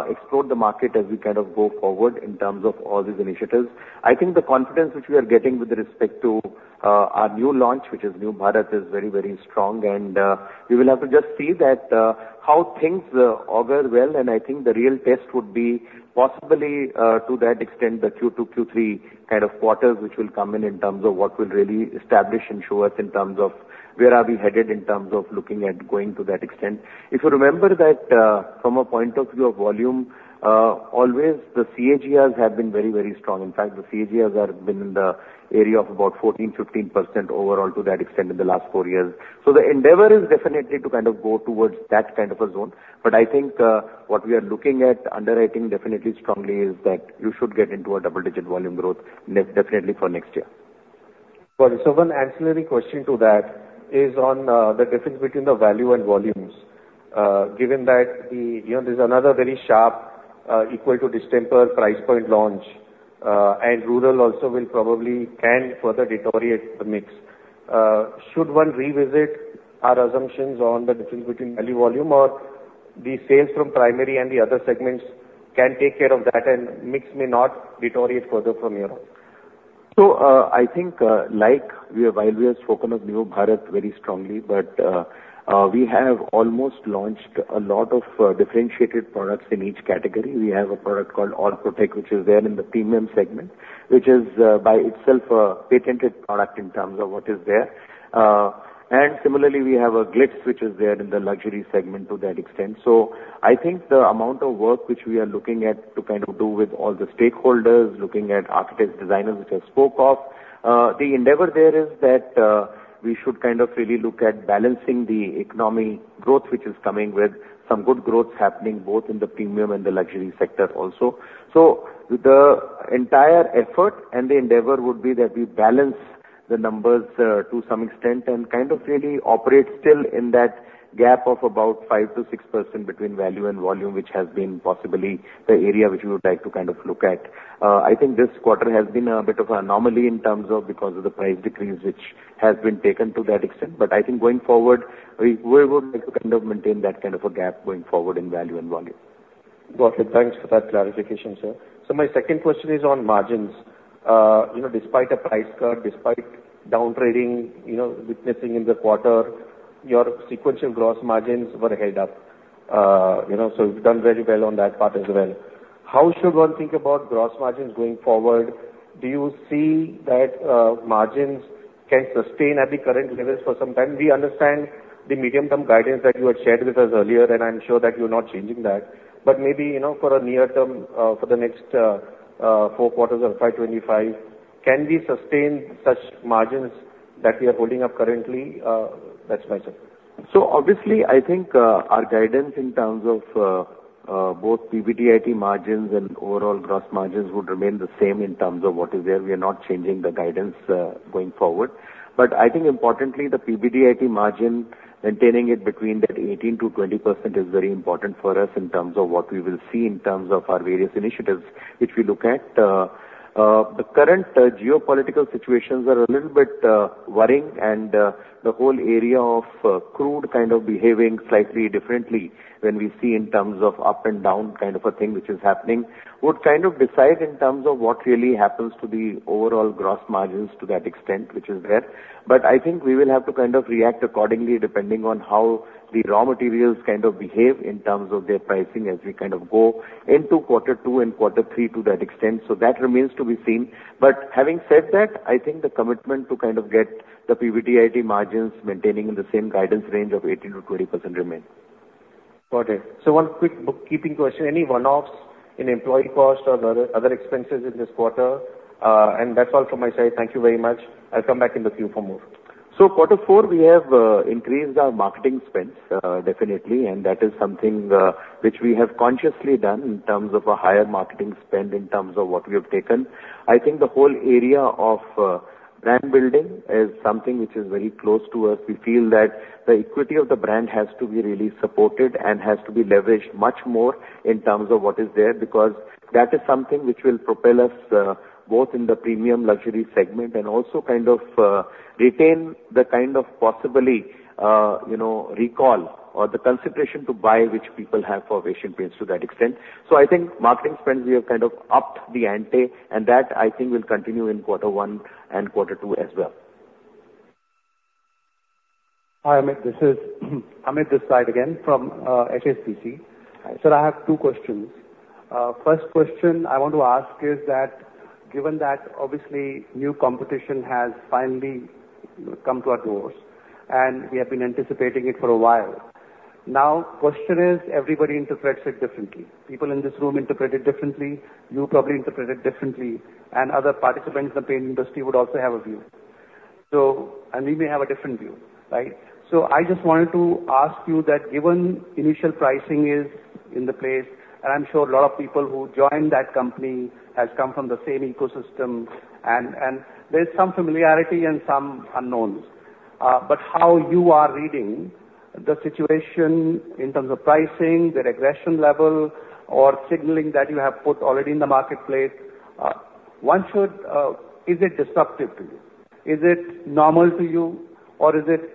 explore the market as we kind of go forward in terms of all these initiatives. I think the confidence which we are getting with respect to our new launch, which is NeoBharat, is very, very strong, and we will have to just see that how things augur well. And I think the real test would be possibly to that extent, the Q2, Q3 kind of quarters, which will come in, in terms of what will really establish and show us in terms of where are we headed, in terms of looking at going to that extent. If you remember that from a point of view of volume, always the CAGRs have been very, very strong. In fact, the CAGRs been in the area of about 14%-15% overall to that extent in the last four years. So the endeavor is definitely to kind of go towards that kind of a zone. I think, what we are looking at underwriting definitely strongly, is that you should get into a double-digit volume growth next, definitely for next year.... Got it. So one ancillary question to that is on the difference between the value and volumes. Given that the, you know, there's another very sharp equal to distemper price point launch, and rural also will probably can further deteriorate the mix. Should one revisit our assumptions on the difference between value, volume or the sales from primary and the other segments can take care of that, and mix may not deteriorate further from here on? So, I think, like we have, while we have spoken of NeoBharat very strongly, but, we have almost launched a lot of differentiated products in each category. We have a product called Ultima Protek, which is there in the premium segment, which is, by itself, a patented product in terms of what is there. And similarly, we have a Glitz, which is there in the luxury segment to that extent. So I think the amount of work which we are looking at to kind of do with all the stakeholders, looking at architects, designers, which I spoke of, the endeavor there is that, we should kind of really look at balancing the economic growth, which is coming with some good growth happening both in the premium and the luxury sector also. So the entire effort and the endeavor would be that we balance the numbers, to some extent and kind of really operate still in that gap of about 5%-6% between value and volume, which has been possibly the area which we would like to kind of look at. I think this quarter has been a bit of an anomaly in terms of because of the price decrease, which has been taken to that extent. But I think going forward, we, we will kind of maintain that kind of a gap going forward in value and volume. Got it. Thanks for that clarification, sir. So my second question is on margins. You know, despite a price cut, despite down trading, you know, witnessing in the quarter, your sequential gross margins were held up. You know, so you've done very well on that part as well. How should one think about gross margins going forward? Do you see that, margins can sustain at the current levels for some time? We understand the medium-term guidance that you had shared with us earlier, and I'm sure that you're not changing that. But maybe, you know, for the near term, for the next, four quarters of FY 25, can we sustain such margins that we are holding up currently? That's it, sir. So obviously, I think, our guidance in terms of, both PBDIT margins and overall gross margins would remain the same in terms of what is there. We are not changing the guidance, going forward. But I think importantly, the PBDIT margin, maintaining it between that 18%-20% is very important for us in terms of what we will see in terms of our various initiatives. If we look at, the current, geopolitical situations are a little bit, worrying, and, the whole area of, crude kind of behaving slightly differently when we see in terms of up and down kind of a thing which is happening, would kind of decide in terms of what really happens to the overall gross margins to that extent, which is there. But I think we will have to kind of react accordingly, depending on how the raw materials kind of behave in terms of their pricing as we kind of go into quarter two and quarter three to that extent. So that remains to be seen. But having said that, I think the commitment to kind of get the PBDIT margins maintaining in the same guidance range of 18%-20% remain. Got it. So one quick bookkeeping question. Any one-offs in employee cost or other, other expenses in this quarter? And that's all from my side. Thank you very much. I'll come back in the queue for more. So quarter four, we have increased our marketing spends, definitely, and that is something which we have consciously done in terms of a higher marketing spend, in terms of what we have taken. I think the whole area of brand building is something which is very close to us. We feel that the equity of the brand has to be really supported and has to be leveraged much more in terms of what is there, because that is something which will propel us both in the premium luxury segment and also kind of retain the kind of possibly, you know, recall or the consideration to buy, which people have for Asian Paints to that extent. So I think marketing spends, we have kind of upped the ante, and that, I think, will continue in quarter one and quarter two as well. Hi, Amit. This is Amit Desai again from HSBC. Sir, I have two questions. First question I want to ask is that given that obviously new competition has finally come to our doors, and we have been anticipating it for a while. Now, question is, everybody interprets it differently. People in this room interpret it differently, you probably interpret it differently, and other participants in the paint industry would also have a view. So... And we may have a different view, right? So I just wanted to ask you that given initial pricing is in place, and I'm sure a lot of people who joined that company has come from the same ecosystem, and there's some familiarity and some unknowns. But how you are reading the situation in terms of pricing, their aggression level, or signaling that you have put already in the marketplace, one should... Is it disruptive to you? Is it normal to you, or is it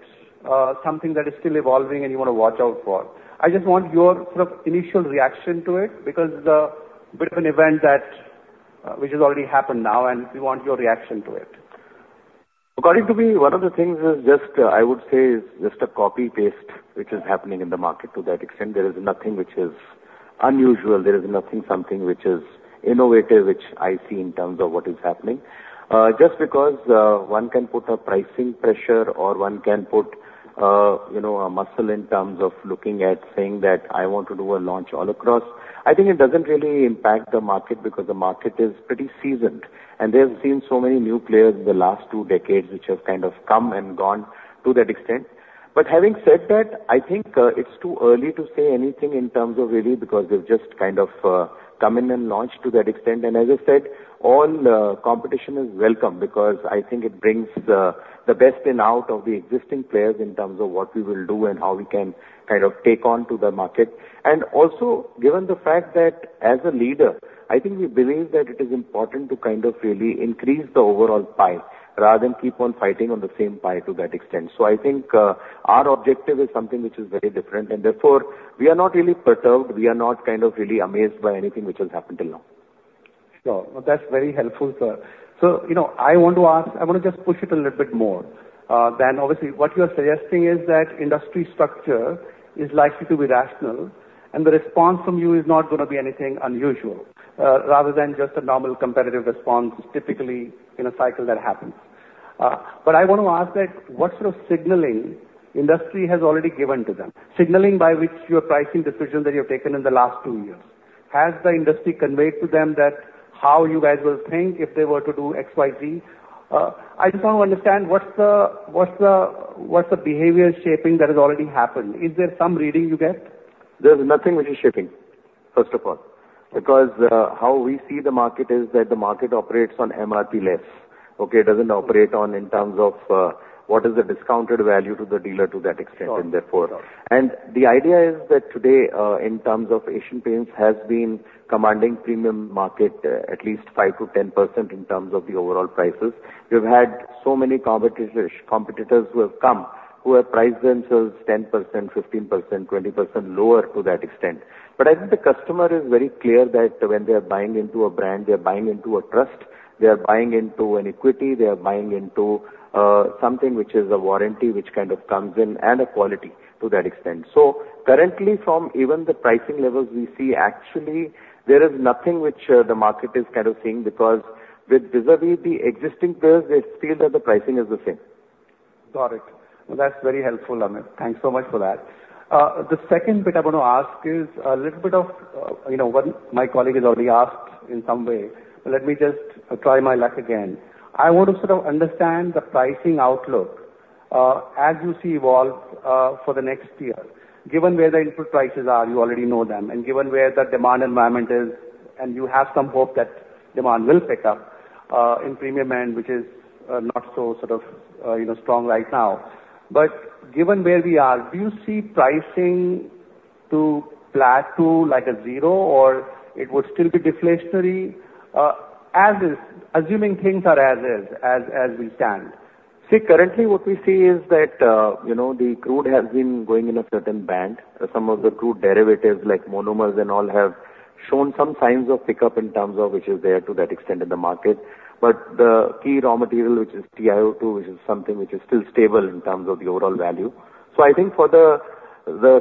something that is still evolving and you want to watch out for? I just want your sort of initial reaction to it, because the bit of an event that which has already happened now, and we want your reaction to it. According to me, one of the things is just, I would say, is just a copy-paste, which is happening in the market to that extent. There is nothing which is unusual. There is nothing, something which is innovative, which I see in terms of what is happening. Just because, one can put a pricing pressure or one can put, you know, a muscle in terms of looking at saying that I want to do a launch all across, I think it doesn't really impact the market because the market is pretty seasoned, and they've seen so many new players in the last two decades, which have kind of come and gone to that extent. But having said that, I think, it's too early to say anything in terms of really, because they've just kind of, come in and launched to that extent. And as I said, all competition is welcome because I think it brings the best out of the existing players in terms of what we will do and how we can kind of take on to the market. And also, given the fact that as a leader, I think we believe that it is important to kind of really increase the overall pie rather than keep on fighting on the same pie to that extent. So I think, our objective is something which is very different, and therefore we are not really perturbed. We are not kind of really amazed by anything which has happened till now.... Sure. Well, that's very helpful, sir. So, you know, I want to ask, I want to just push it a little bit more than obviously, what you are suggesting is that industry structure is likely to be rational, and the response from you is not gonna be anything unusual, rather than just a normal competitive response, typically in a cycle that happens. But I want to ask that, what sort of signaling industry has already given to them? Signaling by which your pricing decision that you have taken in the last two years. Has the industry conveyed to them that how you guys will think if they were to do XYZ? I just want to understand, what's the, what's the, what's the behavior shaping that has already happened? Is there some reading you get? There's nothing which is shifting, first of all, because how we see the market is that the market operates on MRP less, okay? It doesn't operate on in terms of what is the discounted value to the dealer to that extent and therefore. Sure. And the idea is that today, in terms of Asian Paints, has been commanding premium market, at least 5%-10% in terms of the overall prices. We've had so many competitors who have come, who have priced themselves 10%, 15%, 20% lower to that extent. But I think the customer is very clear that when they are buying into a brand, they are buying into a trust, they are buying into an equity, they are buying into, something which is a warranty, which kind of comes in, and a quality to that extent. So currently, from even the pricing levels we see, actually, there is nothing which, the market is kind of seeing, because with vis-à-vis the existing players, they feel that the pricing is the same. Got it. Well, that's very helpful, Amit. Thanks so much for that. The second bit I want to ask is a little bit of, you know, what my colleague has already asked in some way, but let me just try my luck again. I want to sort of understand the pricing outlook, as you see evolve, for the next year. Given where the input prices are, you already know them, and given where the demand environment is, and you have some hope that demand will pick up, in premium end, which is, not so sort of, you know, strong right now. But given where we are, do you see pricing to flat to like a zero, or it would still be deflationary? As is, assuming things are as is, as we stand. See, currently what we see is that, you know, the crude has been going in a certain band. Some of the crude derivatives, like monomers and all, have shown some signs of pickup in terms of which is there to that extent in the market. But the key raw material, which is TiO2, which is something which is still stable in terms of the overall value. So I think for the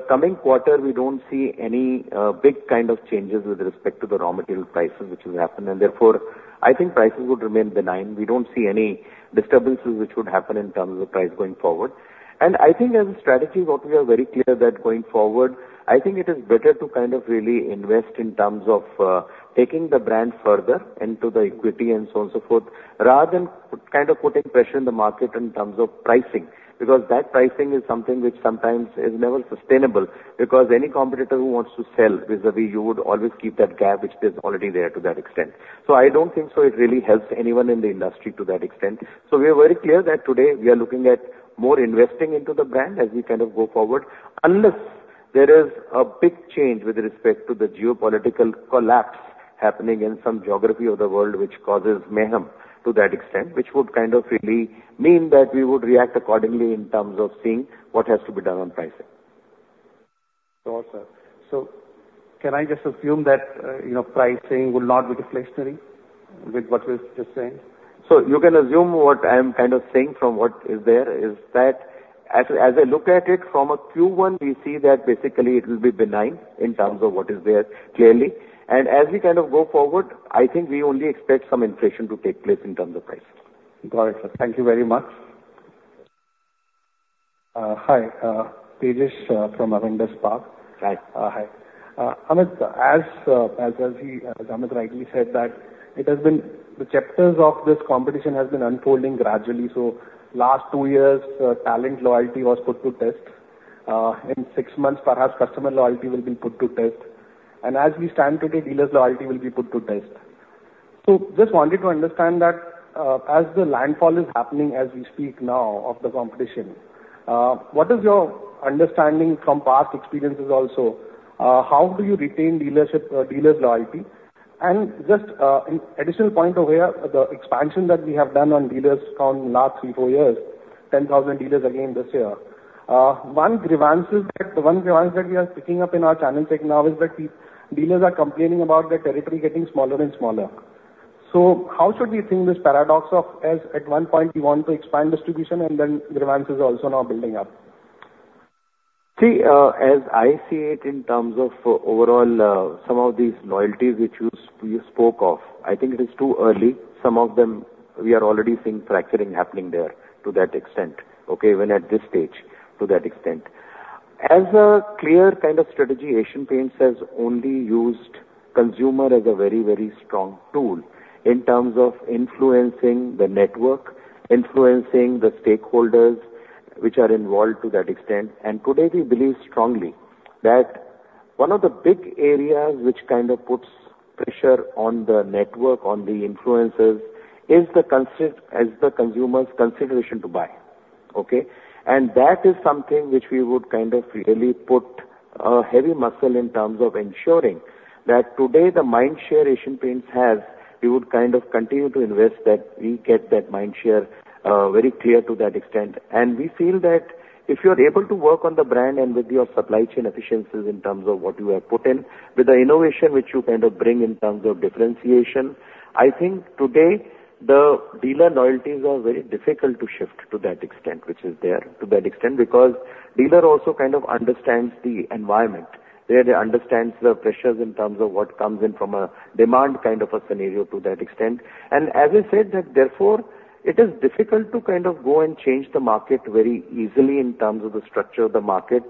coming quarter, we don't see any big kind of changes with respect to the raw material prices which will happen, and therefore, I think prices would remain benign. We don't see any disturbances which would happen in terms of price going forward. I think as a strategy, what we are very clear that going forward, I think it is better to kind of really invest in terms of, taking the brand further into the equity and so on, so forth, rather than kind of putting pressure in the market in terms of pricing. Because that pricing is something which sometimes is never sustainable, because any competitor who wants to sell vis-à-vis you would always keep that gap, which is already there to that extent. I don't think so it really helps anyone in the industry to that extent. We are very clear that today we are looking at more investing into the brand as we kind of go forward, unless there is a big change with respect to the geopolitical collapse happening in some geography of the world, which causes mayhem to that extent, which would kind of really mean that we would react accordingly in terms of seeing what has to be done on pricing. Sure, sir. Can I just assume that, you know, pricing will not be deflationary with what you're just saying? You can assume what I'm kind of saying from what is there, is that as I look at it from a Q1, we see that basically it will be benign in terms of what is there clearly. As we kind of go forward, I think we only expect some inflation to take place in terms of pricing. Got it, sir. Thank you very much. Hi, Tejas from Avendus Spark. Hi. Hi. Amit, as he, Amit, rightly said, that it has been the chapters of this competition has been unfolding gradually. So last two years, talent loyalty was put to test. In six months, perhaps customer loyalty will be put to test. And as we stand today, dealers' loyalty will be put to test. So just wanted to understand that, as the landfall is happening, as we speak now, of the competition, what is your understanding from past experiences also? How do you retain dealership, dealers' loyalty? And just, an additional point over here, the expansion that we have done on dealers from last three, four years, 10,000 dealers again this year. One grievance that we are picking up in our channel check now is that the dealers are complaining about their territory getting smaller and smaller. So how should we think this paradox of, as at one point you want to expand distribution and then grievances are also now building up? See, as I see it in terms of overall, some of these loyalties which you, you spoke of, I think it is too early. Some of them, we are already seeing fracturing happening there to that extent, okay? Even at this stage, to that extent. As a clear kind of strategy, Asian Paints has only used consumer as a very, very strong tool in terms of influencing the network, influencing the stakeholders which are involved to that extent. And today, we believe strongly that one of the big areas which kind of puts pressure on the network, on the influencers, is the consi- is the consumers' consideration to buy, okay? And that is something which we would kind of really put, heavy muscle in terms of ensuring that today, the mind share Asian Paints has-... We would kind of continue to invest that we get that mind share, very clear to that extent. We feel that if you're able to work on the brand and with your supply chain efficiencies in terms of what you have put in, with the innovation which you kind of bring in terms of differentiation. I think today, the dealer loyalties are very difficult to shift to that extent, which is there to that extent, because dealer also kind of understands the environment, where they understands the pressures in terms of what comes in from a demand kind of a scenario to that extent. As I said, that therefore, it is difficult to kind of go and change the market very easily in terms of the structure of the market.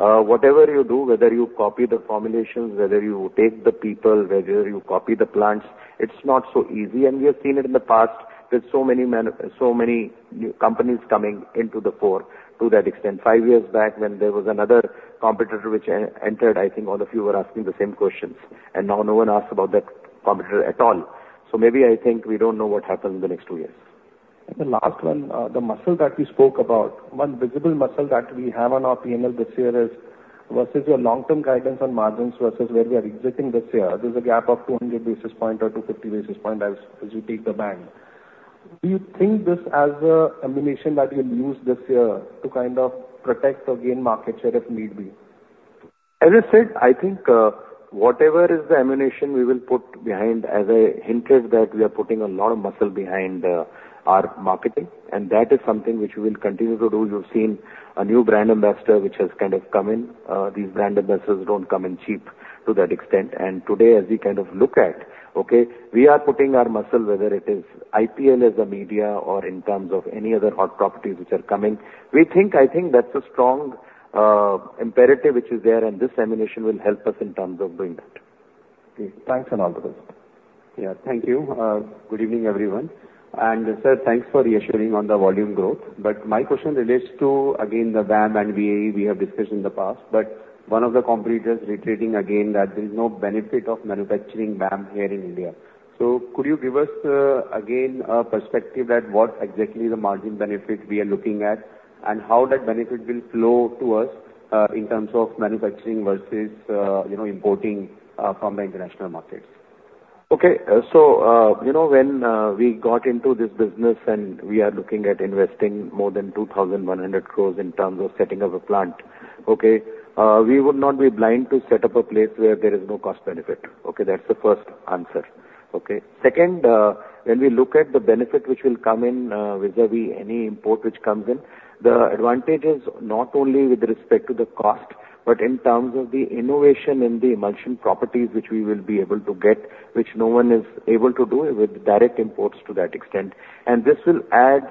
Whatever you do, whether you copy the formulations, whether you take the people, whether you copy the plants, it's not so easy, and we have seen it in the past with so many new companies coming into the forefront to that extent. Five years back, when there was another competitor which entered, I think all of you were asking the same questions, and now no one asks about that competitor at all. So maybe I think we don't know what happens in the next two years. The last one, the muscle that we spoke about, one visible muscle that we have on our PNL this year is versus your long-term guidance on margins versus where we are existing this year, there's a gap of 200 basis points or 250 basis points as you take the bank. Do you think this as ammunition that you'll use this year to kind of protect or gain market share if need be? As I said, I think, whatever is the ammunition we will put behind as a hint is that we are putting a lot of muscle behind our marketing, and that is something which we will continue to do. You've seen a new brand ambassador, which has kind of come in. These brand ambassadors don't come in cheap to that extent. Today, as we kind of look at, okay, we are putting our muscle, whether it is IPL as a media or in terms of any other hot properties which are coming. We think, I think that's a strong imperative which is there, and this ammunition will help us in terms of doing that. Okay, thanks and all the best. Yeah, thank you. Good evening, everyone. And sir, thanks for reassuring on the volume growth. But my question relates to, again, the VAM and VAE we have discussed in the past, but one of the competitors reiterating again that there's no benefit of manufacturing VAM here in India. So could you give us, again, a perspective that what exactly the margin benefit we are looking at, and how that benefit will flow to us, in terms of manufacturing versus, you know, importing, from the international markets? Okay. So, you know, when we got into this business and we are looking at investing more than 2,100 crore in terms of setting up a plant, okay, we would not be blind to set up a place where there is no cost benefit. Okay? That's the first answer. Okay? Second, when we look at the benefit which will come in, vis-à-vis any import which comes in, the advantage is not only with respect to the cost, but in terms of the innovation in the emulsion properties, which we will be able to get, which no one is able to do with direct imports to that extent. And this will add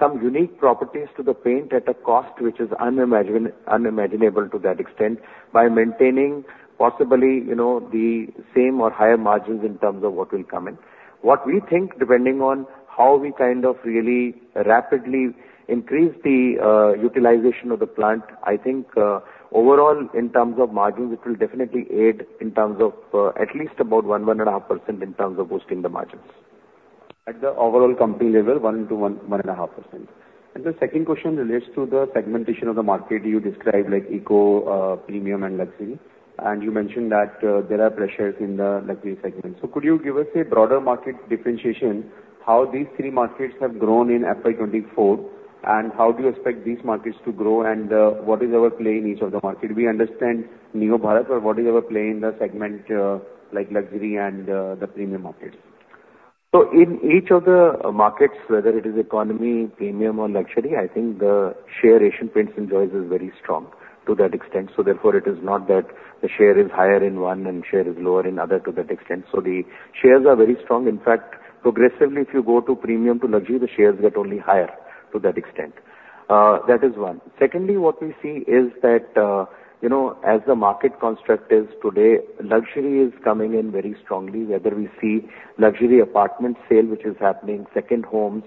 some unique properties to the paint at a cost which is unimaginable to that extent, by maintaining possibly, you know, the same or higher margins in terms of what will come in. What we think, depending on how we kind of really rapidly increase the utilization of the plant, I think, overall, in terms of margins, it will definitely aid in terms of at least about 1-1.5% in terms of boosting the margins. At the overall company level, 1-1.5%. And the second question relates to the segmentation of the market you described, like eco, premium and luxury, and you mentioned that, there are pressures in the luxury segment. So could you give us a broader market differentiation, how these three markets have grown in FY 2024? And how do you expect these markets to grow, and, what is our play in each of the market? We understand NeoBharat, but what is our play in the segment, like luxury and, the premium markets? So in each of the markets, whether it is economy, premium or luxury, I think the share Asian Paints enjoys is very strong to that extent. So therefore, it is not that the share is higher in one and share is lower in other to that extent. So the shares are very strong. In fact, progressively, if you go to premium to luxury, the shares get only higher to that extent. That is one. Secondly, what we see is that, you know, as the market construct is today, luxury is coming in very strongly, whether we see luxury apartment sale, which is happening, second homes,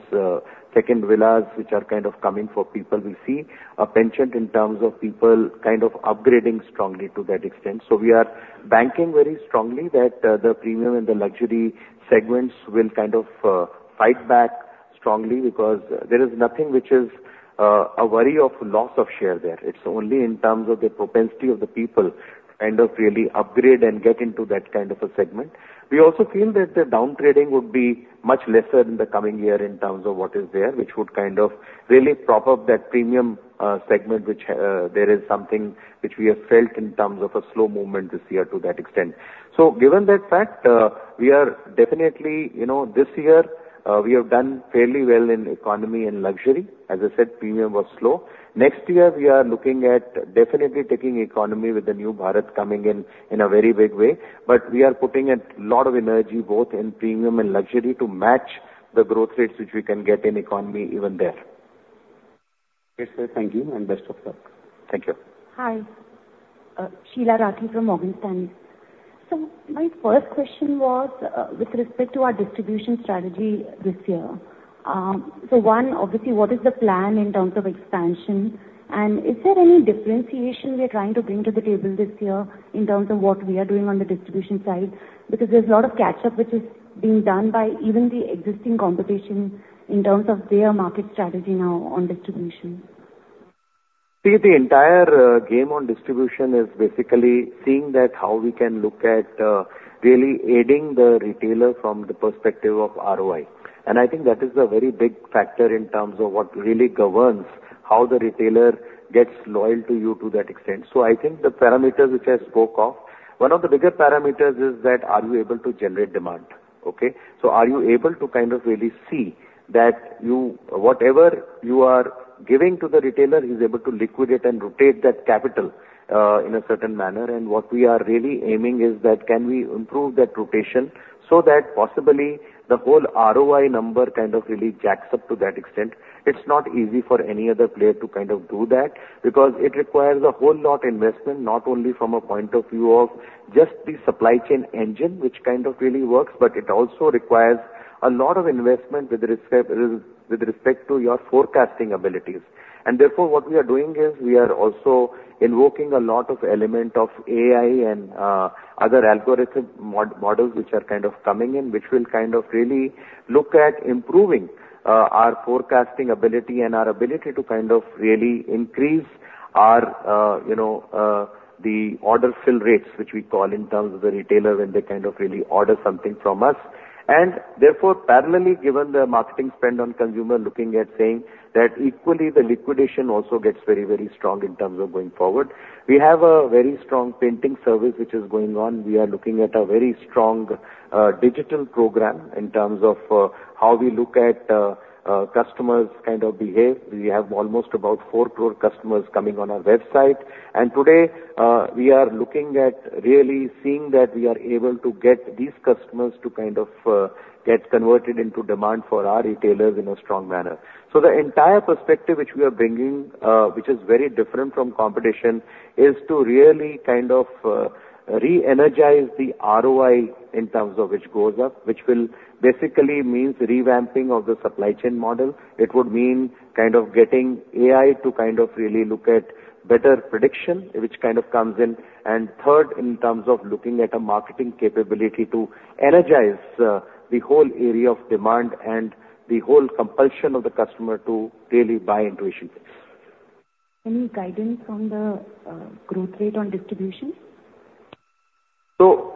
second villas, which are kind of coming for people. We see a penchant in terms of people kind of upgrading strongly to that extent. So we are banking very strongly that the premium and the luxury segments will kind of fight back strongly because there is nothing which is a worry of loss of share there. It's only in terms of the propensity of the people to kind of really upgrade and get into that kind of a segment. We also feel that the downgrading would be much lesser in the coming year in terms of what is there, which would kind of really prop up that premium segment, which there is something which we have felt in terms of a slow movement this year to that extent. So given that fact, we are definitely... You know, this year, we have done fairly well in economy and luxury. As I said, premium was slow. Next year, we are looking at definitely taking economy with the NeoBharat coming in in a very big way. But we are putting a lot of energy, both in premium and luxury, to match the growth rates which we can get in economy even there. Okay, sir, thank you, and best of luck. Thank you. Hi, Sheela Rathi from Morgan Stanley. So my first question was, with respect to our distribution strategy this year. So one, obviously, what is the plan in terms of expansion, and is there any differentiation we are trying to bring to the table this year in terms of what we are doing on the distribution side? Because there's a lot of catch-up, which is being done by even the existing competition in terms of their market strategy now on distribution.... See, the entire game on distribution is basically seeing that how we can look at really aiding the retailer from the perspective of ROI. I think that is a very big factor in terms of what really governs how the retailer gets loyal to you to that extent. So I think the parameters which I spoke of, one of the bigger parameters is that are you able to generate demand, okay? So are you able to kind of really see that whatever you are giving to the retailer, he's able to liquidate and rotate that capital in a certain manner. What we are really aiming is that can we improve that rotation so that possibly the whole ROI number kind of really jacks up to that extent. It's not easy for any other player to kind of do that, because it requires a whole lot investment, not only from a point of view of just the supply chain engine, which kind of really works, but it also requires a lot of investment with respect, with respect to your forecasting abilities. And therefore, what we are doing is we are also invoking a lot of element of AI and other algorithmic models which are kind of coming in, which will kind of really look at improving our forecasting ability and our ability to kind of really increase our you know the order fill rates, which we call in terms of the retailer when they kind of really order something from us. And therefore, parallelly, given the marketing spend on consumer, looking at saying that equally, the liquidation also gets very, very strong in terms of going forward. We have a very strong painting service which is going on. We are looking at a very strong, digital program in terms of, how we look at, customers kind of behave. We have almost about 4 crore customers coming on our website. And today, we are looking at really seeing that we are able to get these customers to kind of, get converted into demand for our retailers in a strong manner. So the entire perspective which we are bringing, which is very different from competition, is to really kind of, re-energize the ROI in terms of which goes up, which will basically means revamping of the supply chain model. It would mean kind of getting AI to kind of really look at better prediction, which kind of comes in. And third, in terms of looking at a marketing capability to energize, the whole area of demand and the whole compulsion of the customer to really buy into Asian Paints. Any guidance on the growth rate on distribution? So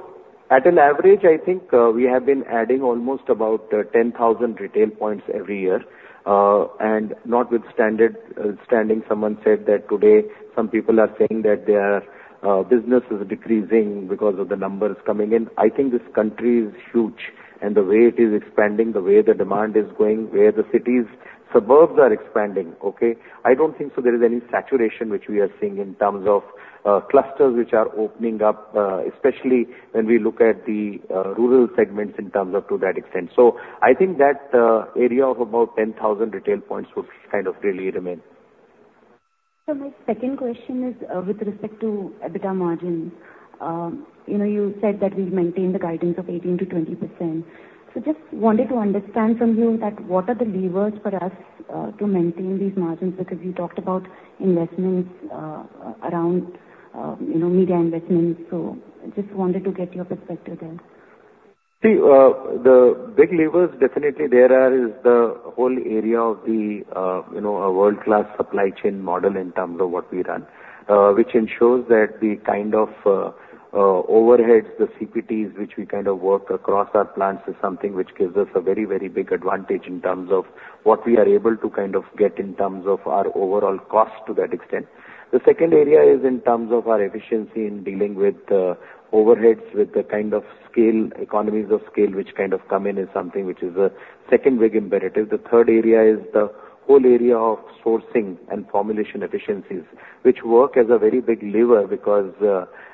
at an average, I think, we have been adding almost about 10,000 retail points every year, and not with standard standing. Someone said that today, some people are saying that their business is decreasing because of the numbers coming in. I think this country is huge, and the way it is expanding, the way the demand is going, where the cities, suburbs are expanding, okay? I don't think so there is any saturation which we are seeing in terms of clusters which are opening up, especially when we look at the rural segments in terms of to that extent. So I think that area of about 10,000 retail points would kind of really remain. So my second question is, with respect to EBITDA margin. You know, you said that we've maintained the guidance of 18%-20%. So just wanted to understand from you that what are the levers for us to maintain these margins? Because you talked about investments around, you know, media investments. So just wanted to get your perspective there. See, the big levers definitely there are, is the whole area of the, you know, a world-class supply chain model in terms of what we run, which ensures that the kind of, overheads, the CPTs, which we kind of work across our plants, is something which gives us a very, very big advantage in terms of what we are able to kind of get in terms of our overall cost to that extent. The second area is in terms of our efficiency in dealing with, overheads, with the kind of scale, economies of scale, which kind of come in as something which is a second big imperative. The third area is the whole area of sourcing and formulation efficiencies, which work as a very big lever, because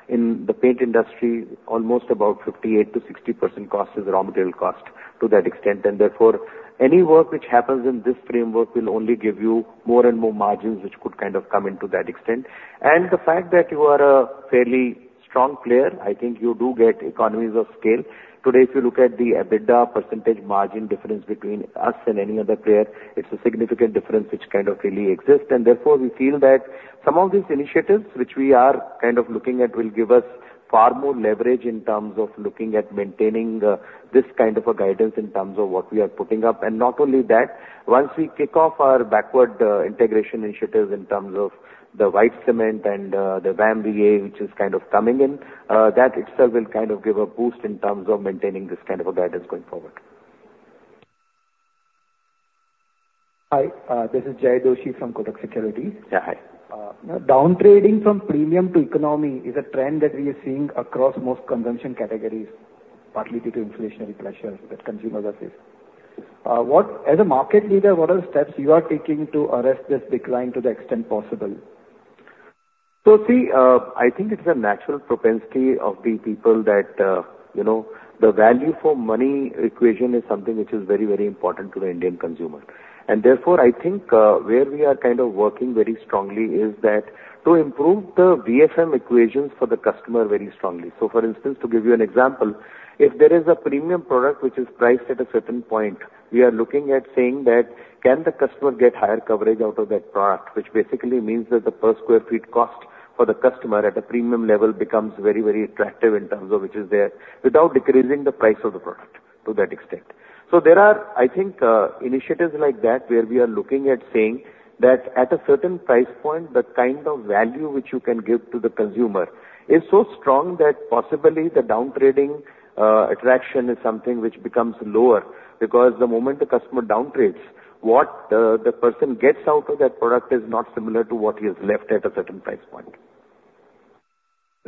in the paint industry, almost about 58%-60% cost is raw material cost to that extent. And therefore, any work which happens in this framework will only give you more and more margins, which could kind of come into that extent. And the fact that you are a fairly strong player, I think you do get economies of scale. Today, if you look at the EBITDA percentage margin difference between us and any other player, it's a significant difference which kind of really exists. And therefore, we feel that some of these initiatives which we are kind of looking at will give us far more leverage in terms of looking at maintaining this kind of a guidance in terms of what we are putting up. And not only that, once we kick off our backward integration initiatives in terms of the white cement and the VAM VAE, which is kind of coming in, that itself will kind of give a boost in terms of maintaining this kind of a guidance going forward. Hi, this is Jay Doshi from Kotak Securities. Yeah, hi. Down trading from premium to economy is a trend that we are seeing across most consumption categories, partly due to inflationary pressures that consumers are facing. As a market leader, what are the steps you are taking to arrest this decline to the extent possible? So, see, I think it's a natural propensity of the people that, you know, the value for money equation is something which is very, very important to the Indian consumer. And therefore, I think, where we are kind of working very strongly is that to improve the VFM equations for the customer very strongly. So for instance, to give you an example, if there is a premium product which is priced at a certain point, we are looking at saying that, can the customer get higher coverage out of that product? Which basically means that the per square feet cost for the customer at a premium level becomes very, very attractive in terms of which is there, without decreasing the price of the product to that extent. So there are, I think, initiatives like that, where we are looking at saying that at a certain price point, the kind of value which you can give to the consumer is so strong that possibly the down-trading attraction is something which becomes lower. Because the moment the customer down-trades, what the person gets out of that product is not similar to what he has left at a certain price point.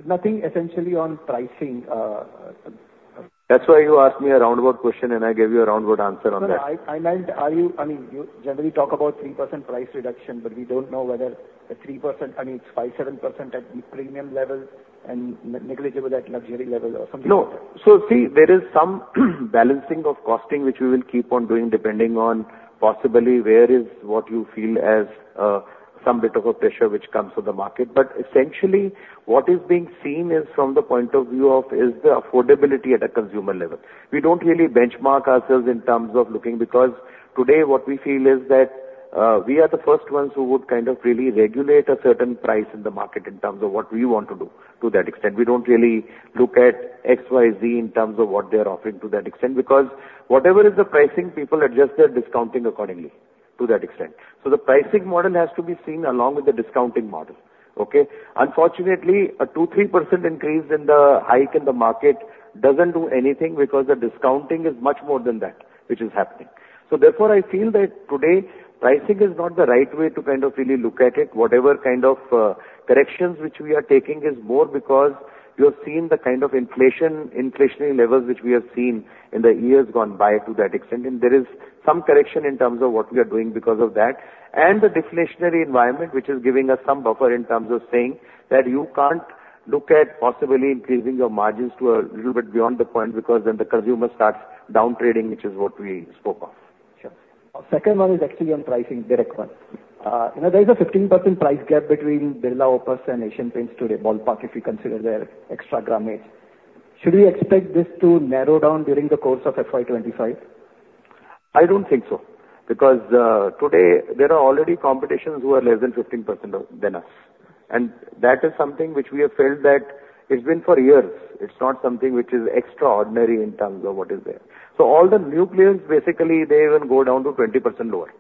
Nothing essentially on pricing, That's why you asked me a roundabout question, and I gave you a roundabout answer on that. No, I meant, are you—I mean, you generally talk about 3% price reduction, but we don't know whether the 3%, I mean, it's 5%, 7% at the premium level and negligible at luxury level or something like that. No. So see, there is some balancing of costing, which we will keep on doing, depending on possibly where is what you feel as some bit of a pressure which comes to the market. But essentially, what is being seen is from the point of view of is the affordability at a consumer level. We don't really benchmark ourselves in terms of looking, because today, what we feel is that we are the first ones who would kind of really regulate a certain price in the market in terms of what we want to do, to that extent. We don't really look at XYZ in terms of what they are offering to that extent, because whatever is the pricing, people adjust their discounting accordingly, to that extent. So the pricing model has to be seen along with the discounting model, okay? Unfortunately, a 2%-3% increase in the hike in the market doesn't do anything because the discounting is much more than that, which is happening. Therefore, I feel that today, pricing is not the right way to kind of really look at it. Whatever kind of, corrections which we are taking is more because you are seeing the kind of inflation, inflationary levels, which we have seen in the years gone by to that extent. And there is some correction in terms of what we are doing because of that, and the deflationary environment, which is giving us some buffer in terms of saying that you can't look at possibly increasing your margins to a little bit beyond the point, because then the consumer starts down-trading, which is what we spoke of. Sure. Second one is actually on pricing, direct one. You know, there is a 15% price gap between Birla Opus and Asian Paints today, ballpark, if you consider their extra grammage. Should we expect this to narrow down during the course of FY 2025? I don't think so, because today there are already competitors who are less than 15% than us. And that is something which we have felt that it's been for years. It's not something which is extraordinary in terms of what is there. So all the new players, basically, they even go down to 20% lower.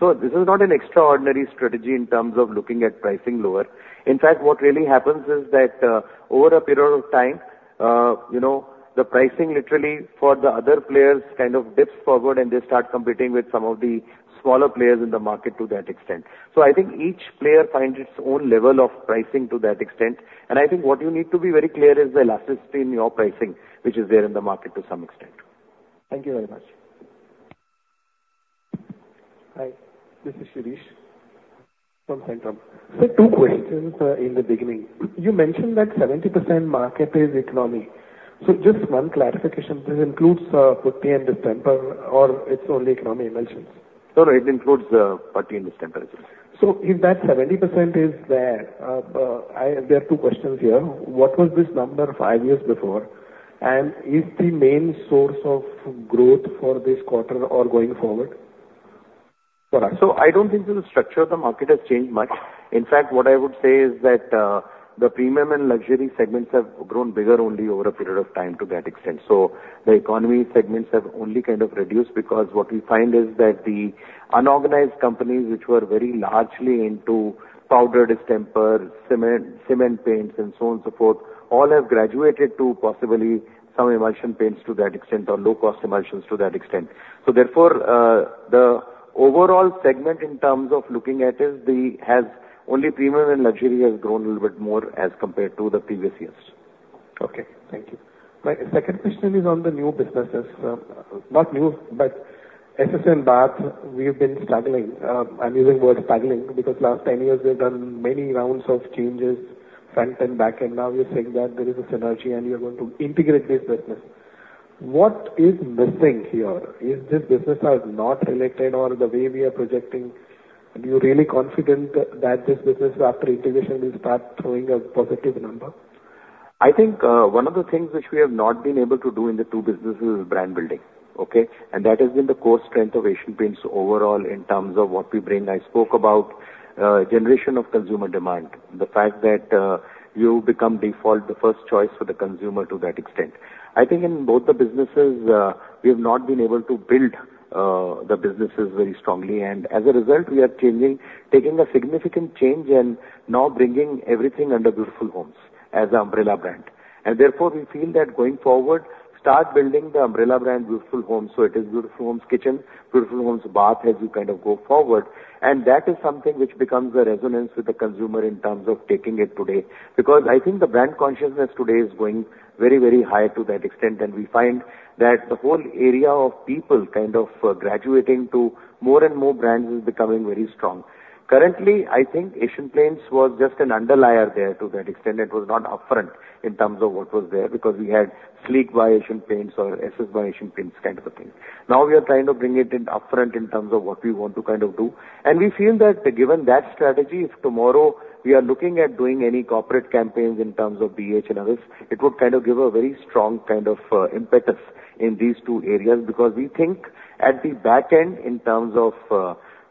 So this is not an extraordinary strategy in terms of looking at pricing lower. In fact, what really happens is that, over a period of time, you know, the pricing literally for the other players kind of dips forward, and they start competing with some of the smaller players in the market to that extent. So I think each player finds its own level of pricing to that extent. I think what you need to be very clear is the elasticity in your pricing, which is there in the market to some extent. Thank you very much. Hi, this is Shirish from Centrum. So two questions in the beginning. You mentioned that 70% market is economy. So just one clarification, this includes putty and distemper, or it's only economy emulsions? No, no, it includes putty and distempers. So if that 70% is there, there are two questions here: What was this number five years before? And is the main source of growth for this quarter or going forward? Correct. So I don't think the structure of the market has changed much. In fact, what I would say is that, the premium and luxury segments have grown bigger only over a period of time to that extent. So the economy segments have only kind of reduced, because what we find is that the unorganized companies which were very largely into powder distemper, cement, cement paints and so on and so forth, all have graduated to possibly some emulsion paints to that extent or low-cost emulsions to that extent. So therefore, the overall segment in terms of looking at only premium and luxury has grown a little bit more as compared to the previous years. Okay, thank you. My second question is on the new businesses. Not new, but Ess Ess Bath, we've been struggling. I'm using the word struggling, because last 10 years, we've done many rounds of changes, front and back, and now you're saying that there is a synergy and you are going to integrate this business. What is missing here? Is this business are not related or the way we are projecting, are you really confident that this business, after integration, will start showing a positive number? I think, one of the things which we have not been able to do in the two businesses is brand building, okay? That has been the core strength of Asian Paints overall in terms of what we bring. I spoke about generation of consumer demand, the fact that you become default, the first choice for the consumer to that extent. I think in both the businesses, we have not been able to build the businesses very strongly, and as a result, we are changing, taking a significant change and now bringing everything under Beautiful Homes as an umbrella brand. Therefore, we feel that going forward, start building the umbrella brand, Beautiful Homes, so it is Beautiful Homes Kitchen, Beautiful Homes Bath, as you kind of go forward. That is something which becomes a resonance with the consumer in terms of taking it today. Because I think the brand consciousness today is going very, very high to that extent, and we find that the whole area of people kind of graduating to more and more brands is becoming very strong. Currently, I think Asian Paints was just an underlayer there to that extent. It was not upfront in terms of what was there, because we had Sleek by Asian Paints or Ess Ess by Asian Paints kind of a thing. Now, we are trying to bring it in upfront in terms of what we want to kind of do. And we feel that given that strategy, if tomorrow we are looking at doing any corporate campaigns in terms of BH and others, it would kind of give a very strong kind of impetus in these two areas. Because we think at the back end, in terms of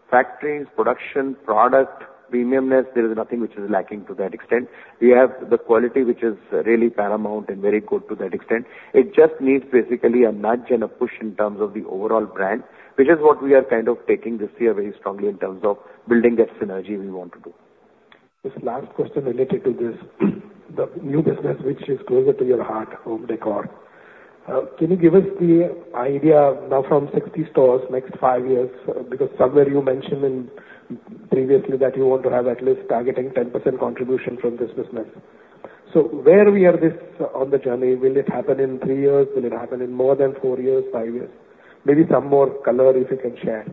factories, production, product, premiumness, there is nothing which is lacking to that extent. We have the quality, which is really paramount and very good to that extent. It just needs basically a nudge and a push in terms of the overall brand, which is what we are kind of taking this year very strongly in terms of building that synergy we want to do.... Just last question related to this, the new business which is closer to your heart, home decor. Can you give us the idea now from 60 stores next 5 years? Because somewhere you mentioned in previously that you want to have at least targeting 10% contribution from this business. So where we are this on the journey? Will it happen in 3 years? Will it happen in more than 4 years, 5 years? Maybe some more color if you can share?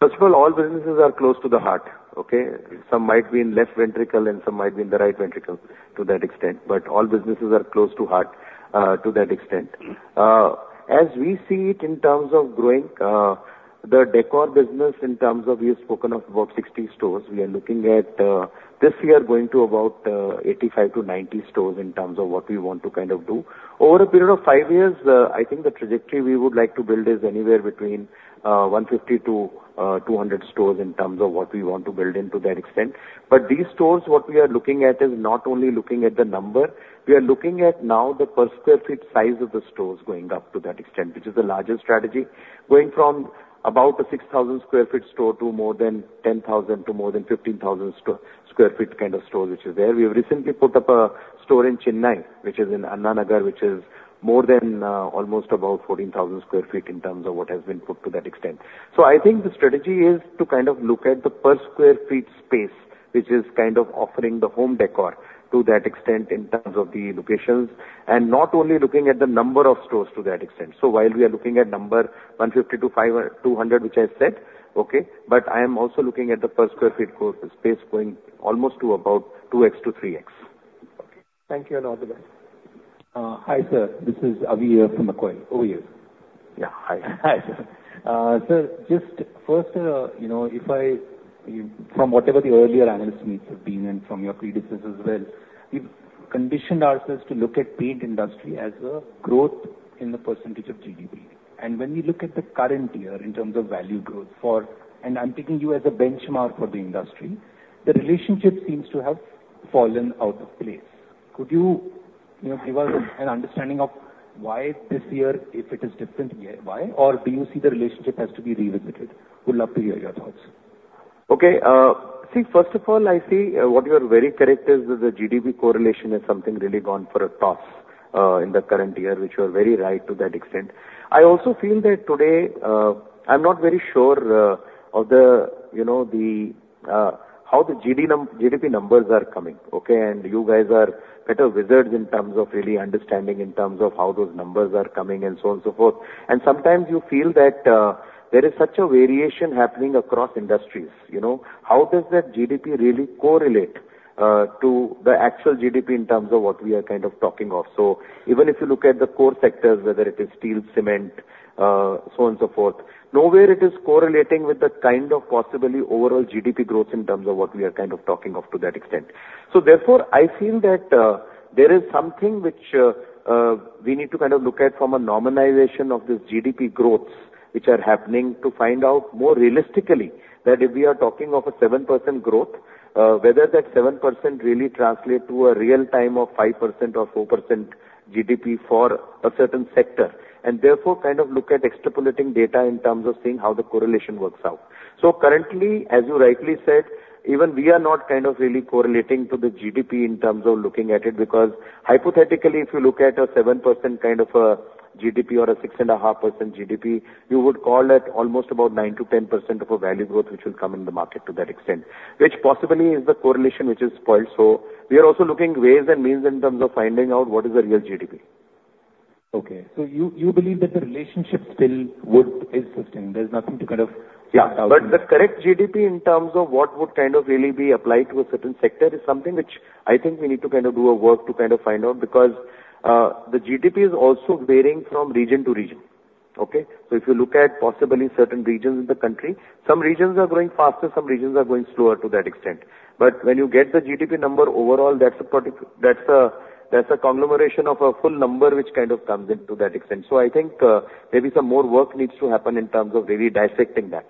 First of all, all businesses are close to the heart, okay? Some might be in left ventricle and some might be in the right ventricle, to that extent, but all businesses are close to heart, to that extent. As we see it in terms of growing the decor business, in terms of we have spoken of about 60 stores, we are looking at this year going to about 85-90 stores in terms of what we want to kind of do. Over a period of five years, I think the trajectory we would like to build is anywhere between 150-200 stores in terms of what we want to build in to that extent. But these stores, what we are looking at is not only looking at the number, we are looking at now the per sq ft size of the stores going up to that extent, which is the larger strategy. Going from about a 6,000 sq ft store to more than 10,000 to more than 15,000 sq ft kind of store, which is there. We have recently put up a store in Chennai, which is in Anna Nagar, which is more than almost about 14,000 sq ft in terms of what has been put to that extent. So I think the strategy is to kind of look at the per sq ft space, which is kind of offering the home decor to that extent in terms of the locations, and not only looking at the number of stores to that extent. While we are looking at number 150- 200, which I said, okay, but I am also looking at the per sq ft cost space going almost to about 2x-3x. Okay. Thank you, and all the best. Hi, sir, this is Avi from Macquarie, over here. Yeah. Hi. Hi, sir. So just first, you know, if I, from whatever the earlier analyst meetings have been and from your predecessors as well, we've conditioned ourselves to look at paint industry as a growth in the percentage of GDP. And when we look at the current year in terms of value growth for, and I'm taking you as a benchmark for the industry, the relationship seems to have fallen out of place. Could you, you know, give us an understanding of why this year, if it is different, why? Or do you see the relationship has to be revisited? Would love to hear your thoughts. Okay. See, first of all, I see, what you are very correct is that the GDP correlation is something really gone for a toss, in the current year, which you are very right to that extent. I also feel that today, I'm not very sure, of the, you know, the, how the GDP numbers are coming, okay? And you guys are better wizards in terms of really understanding, in terms of how those numbers are coming and so on and so forth. And sometimes you feel that, there is such a variation happening across industries, you know. How does that GDP really correlate, to the actual GDP in terms of what we are kind of talking of? So even if you look at the core sectors, whether it is steel, cement, so on and so forth, nowhere it is correlating with the kind of possibly overall GDP growth in terms of what we are kind of talking of to that extent. So therefore, I feel that, there is something which, we need to kind of look at from a normalization of this GDP growths, which are happening, to find out more realistically that if we are talking of a 7% growth, whether that 7% really translate to a real time of 5% or 4% GDP for a certain sector. And therefore, kind of look at extrapolating data in terms of seeing how the correlation works out. So currently, as you rightly said, even we are not kind of really correlating to the GDP in terms of looking at it, because hypothetically, if you look at a 7% kind of a GDP or a 6.5% GDP, you would call it almost about 9%-10% of a value growth, which will come in the market to that extent, which possibly is the correlation which is spoiled. So we are also looking ways and means in terms of finding out what is the real GDP. Okay. So you, you believe that the relationship still would exist, and there's nothing to kind of-... Yeah, but the correct GDP in terms of what would kind of really be applied to a certain sector is something which I think we need to kind of do a work to kind of find out, because the GDP is also varying from region to region, okay? So if you look at possibly certain regions in the country, some regions are growing faster, some regions are growing slower to that extent. But when you get the GDP number overall, that's a – that's a conglomeration of a full number, which kind of comes into that extent. So I think, maybe some more work needs to happen in terms of really dissecting that.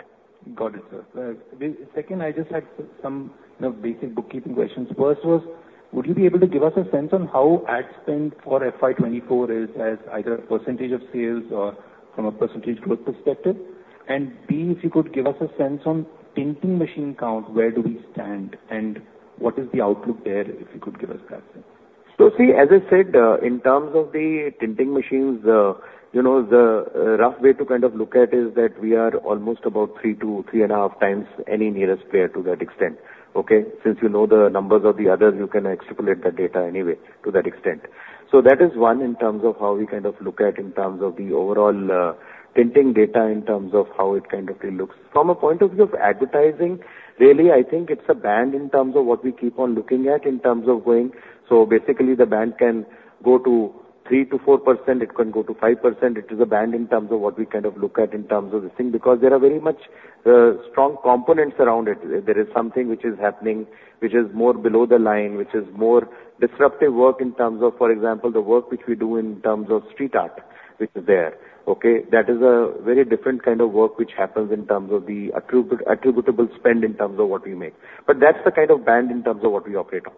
</transcript Got it, sir. The second, I just had some, you know, basic bookkeeping questions. First was, would you be able to give us a sense on how ad spend for FY 2024 is as either a percentage of sales or from a percentage growth perspective? And B, if you could give us a sense on tinting machine count, where do we stand and what is the outlook there, if you could give us that sense? So see, as I said, in terms of the tinting machines, you know, the rough way to kind of look at is that we are almost about 3 to 3.5 times any nearest player to that extent, okay? Since you know the numbers of the others, you can extrapolate that data anyway to that extent. So that is one in terms of how we kind of look at in terms of the overall tinting data, in terms of how it kind of really looks. From a point of view of advertising, really, I think it's a band in terms of what we keep on looking at in terms of going. So basically, the band can go to 3%-4%, it can go to 5%. It is a band in terms of what we kind of look at in terms of this thing, because there are very much strong components around it. There is something which is happening, which is more below the line, which is more disruptive work in terms of, for example, the work which we do in terms of street art, which is there, okay? That is a very different kind of work which happens in terms of the attributable spend in terms of what we make. But that's the kind of band in terms of what we operate on.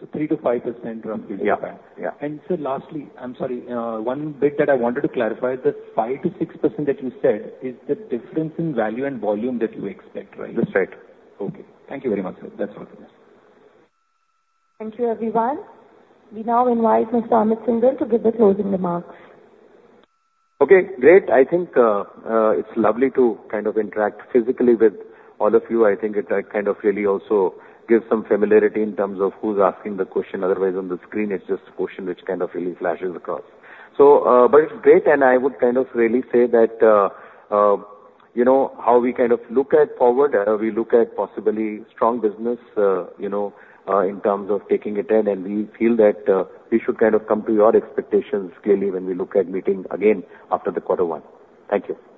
So 3%-5% roughly? Yeah. Yeah. Sir, lastly, I'm sorry, one bit that I wanted to clarify, the 5%-6% that you said is the difference in value and volume that you expect, right? That's right. Okay. Thank you very much, sir. That's all. Thank you, everyone. We now invite Mr. Amit Syngle to give the closing remarks. Okay, great. I think, it's lovely to kind of interact physically with all of you. I think it, kind of really also gives some familiarity in terms of who's asking the question. Otherwise, on the screen, it's just a question which kind of really flashes across. So, but it's great, and I would kind of really say that, you know, how we kind of look at forward, we look at possibly strong business, you know, in terms of taking it in, and we feel that, we should kind of come to your expectations clearly when we look at meeting again after the quarter one. Thank you.